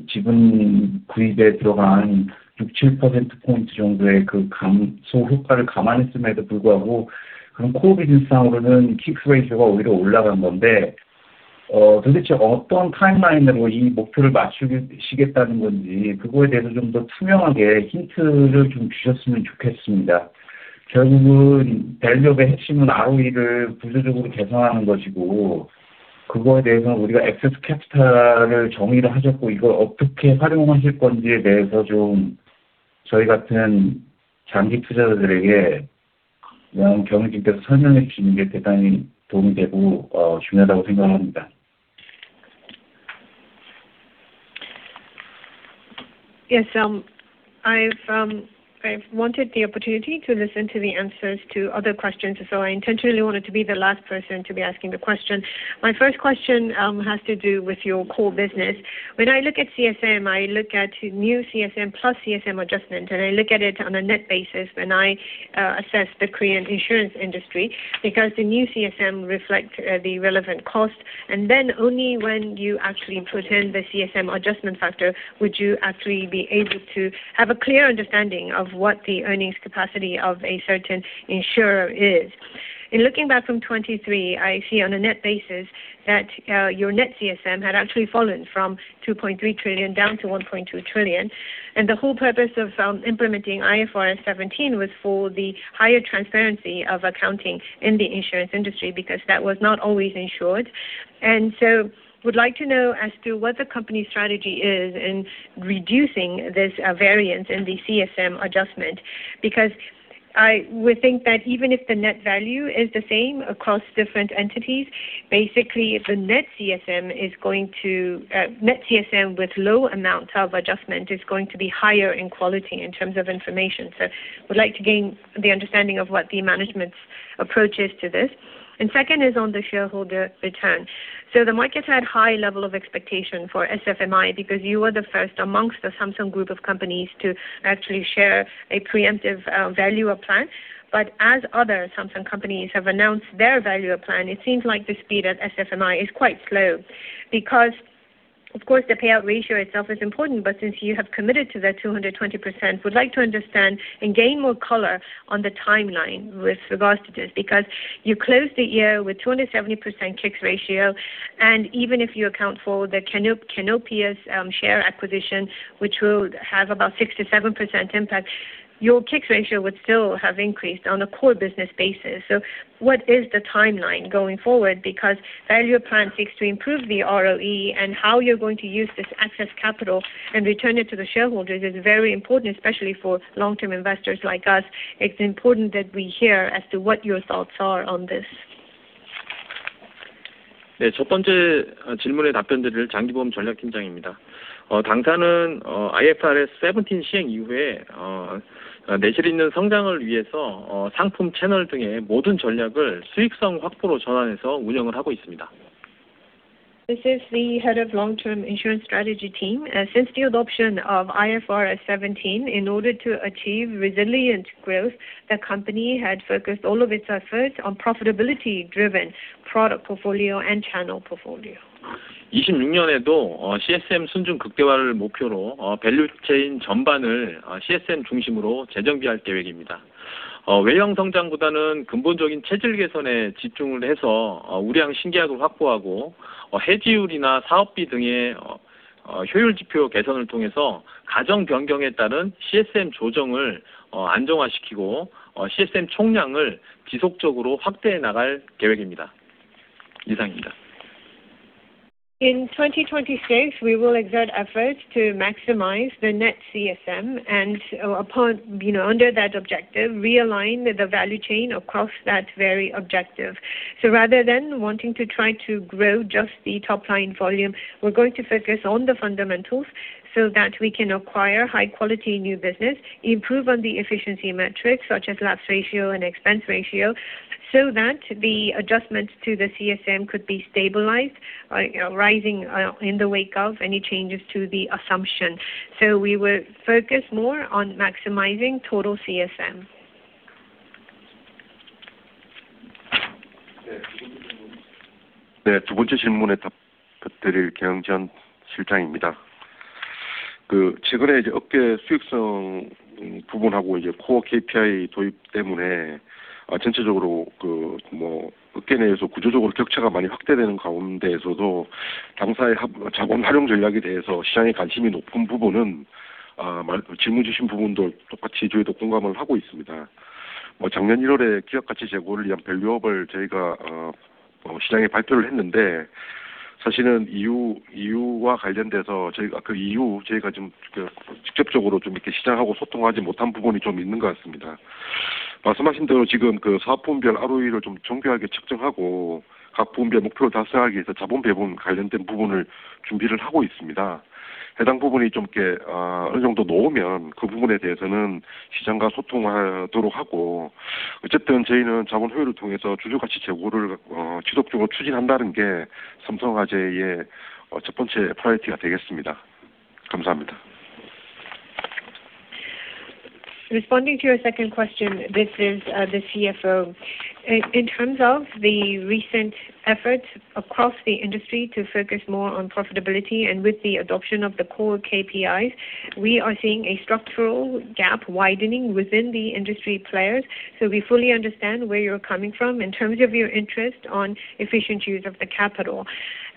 지분 구입에 들어간 6-7 percentage points 정도의 그 감소 효과를 감안했음에도 불구하고, 그럼 core business상으로는 K-ICS ratio가 오히려 올라간 건데... ...도대체 어떤 타임라인으로 이 목표를 맞추시겠다는 건지, 그거에 대해서 좀더 투명하게 힌트를 좀 주셨으면 좋겠습니다. 결국은 밸류업의 핵심은 ROE를 구조적으로 개선하는 것이고, 그거에 대해서 우리가 엑세스 캐피탈을 정의를 하셨고, 이걸 어떻게 활용하실 건지에 대해서 좀 저희 같은 장기 투자자들에게 경영진께서 설명해 주시는 게 대단히 도움이 되고, 중요하다고 생각을 합니다. Yes, I've wanted the opportunity to listen to the answers to other questions, so I intentionally wanted to be the last person to be asking the question. My first question has to do with your core business. When I look at CSM, I look at new CSM, plus CSM adjustment, and I look at it on a net basis when I assess the Korean insurance industry, because the new CSM reflect the relevant cost, and then only when you actually put in the CSM adjustment factor, would you actually be able to have a clear understanding of what the earnings capacity of a certain insurer is. In looking back from 2023, I see on a net basis that your net CSM had actually fallen from 2.3 trillion down to 1.2 trillion. The whole purpose of implementing IFRS 17 was for the higher transparency of accounting in the insurance industry, because that was not always ensured. So would like to know as to what the company's strategy is in reducing this variance in the CSM adjustment. Because I would think that even if the net value is the same across different entities, basically the net CSM is going to net CSM with low amounts of adjustment is going to be higher in quality in terms of information. So we'd like to gain the understanding of what the management's approach is to this. Second is on the shareholder return. So the market had high level of expectation for SFMI because you were the first amongst the Samsung Group of companies to actually share a preemptive value plan. But as other Samsung companies have announced their value plan, it seems like the speed at SFMI is quite slow because, of course, the payout ratio itself is important, but since you have committed to that 220%, would like to understand and gain more color on the timeline with regards to this, because you closed the year with 270% K-ICS ratio, and even if you account for the Canopius, share acquisition, which will have about 67% impact, your K-ICS ratio would still have increased on a core business basis. So what is the timeline going forward? Because value plan seeks to improve the ROE, and how you're going to use this excess capital and return it to the shareholders is very important, especially for long-term investors like us. It's important that we hear as to what your thoughts are on this. 네, 첫 번째 질문에 답변드릴 장기보험 전략팀장입니다. 당사는, IFRS 17 시행 이후에, 내실있는 성장을 위해서, 상품 채널 등의 모든 전략을 수익성 확보로 전환해서 운영을 하고 있습니다. This is the head of long-term insurance strategy team. Since the adoption of IFRS 17, in order to achieve resilient growth, the company had focused all of its efforts on profitability-driven product portfolio and channel portfolio. 26년에도 CSM 순증 극대화를 목표로, 밸류체인 전반을 CSM 중심으로 재정비할 계획입니다. 외형 성장보다는 근본적인 체질 개선에 집중을 해서, 우량 신규약을 확보하고, 해지율이나 사업비 등의 효율 지표 개선을 통해서 가정 변경에 따른 CSM 조정을 안정화시키고, CSM 총량을 지속적으로 확대해 나갈 계획입니다. 이상입니다. In 2026, we will exert efforts to maximize the net CSM and upon, you know, under that objective, realign the value chain across that very objective. So rather than wanting to try to grow just the top line volume, we're going to focus on the fundamentals so that we can acquire high quality new business, improve on the efficiency metrics such as lapse ratio and expense ratio, so that the adjustments to the CSM could be stabilized, you know, rising, in the wake of any changes to the assumption. So we will focus more on maximizing total CSM. 네, 두 번째 질문에 답변드릴 경영지원 실장입니다. 최근에 업계 수익성 부분하고 코어 KPI 도입 때문에 전체적으로 업계 내에서 구조적으로 격차가 많이 확대되는 가운데에서도 당사의 자본 활용 전략에 대해서 시장의 관심이 높은 부분은, 말씀하신 질문 주신 부분도 똑같이 저희도 공감을 하고 있습니다. 작년 1월에 기업가치 제고를 위한 밸류업을 저희가 시장에 발표를 했는데, 사실 그 이유와 관련돼서 저희가 그 이후 저희가 직접적으로 시장하고 소통하지 못한 부분이 있는 것 같습니다. 말씀하신 대로 지금 사업 부문별 ROE를 정교하게 측정하고, 각 부문별 목표를 달성하기 위해서 자본 배분 관련된 부분을 준비를 하고 있습니다. 해당 부분이 어느 정도 마련하면 그 부분에 대해서는 시장과 소통하도록 하고, 어쨌든 저희는 자본 효율을 통해서 주주가치 제고를 지속적으로 추진한다는 게 삼성화재의 첫 번째 priority가 되겠습니다. 감사합니다. Responding to your second question, this is the Chief Financial Officer. In terms of the recent efforts across the industry to focus more on profitability and with the adoption of the core KPIs, we are seeing a structural gap widening within the industry players. So we fully understand where you're coming from in terms of your interest on efficient use of the capital.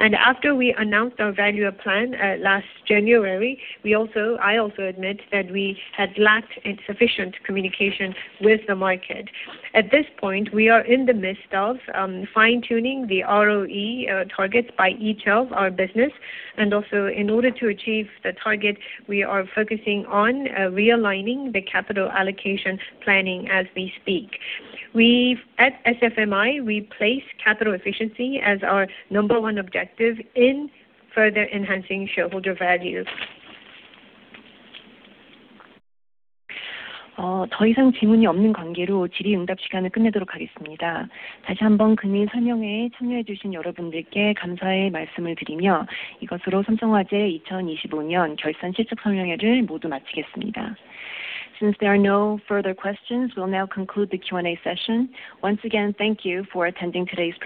And after we announced our value plan last January, we also—I also admit that we had insufficient communication with the market. At this point, we are in the midst of fine-tuning the ROE targets by each of our business, and also in order to achieve the target, we are focusing on realigning the capital allocation planning as we speak. We at SFMI place capital efficiency as our number one objective in further enhancing shareholder value. 더 이상 질문이 없는 관계로 질의응답 시간을 끝내도록 하겠습니다. 다시 한번 금일 설명회에 참여해 주신 여러분들께 감사의 말씀을 드리며, 이것으로 삼성화재 2025년 결산 실적 설명회를 모두 마치겠습니다. Since there are no further questions, we'll now conclude the Q&A session. Once again, thank you for attending today's-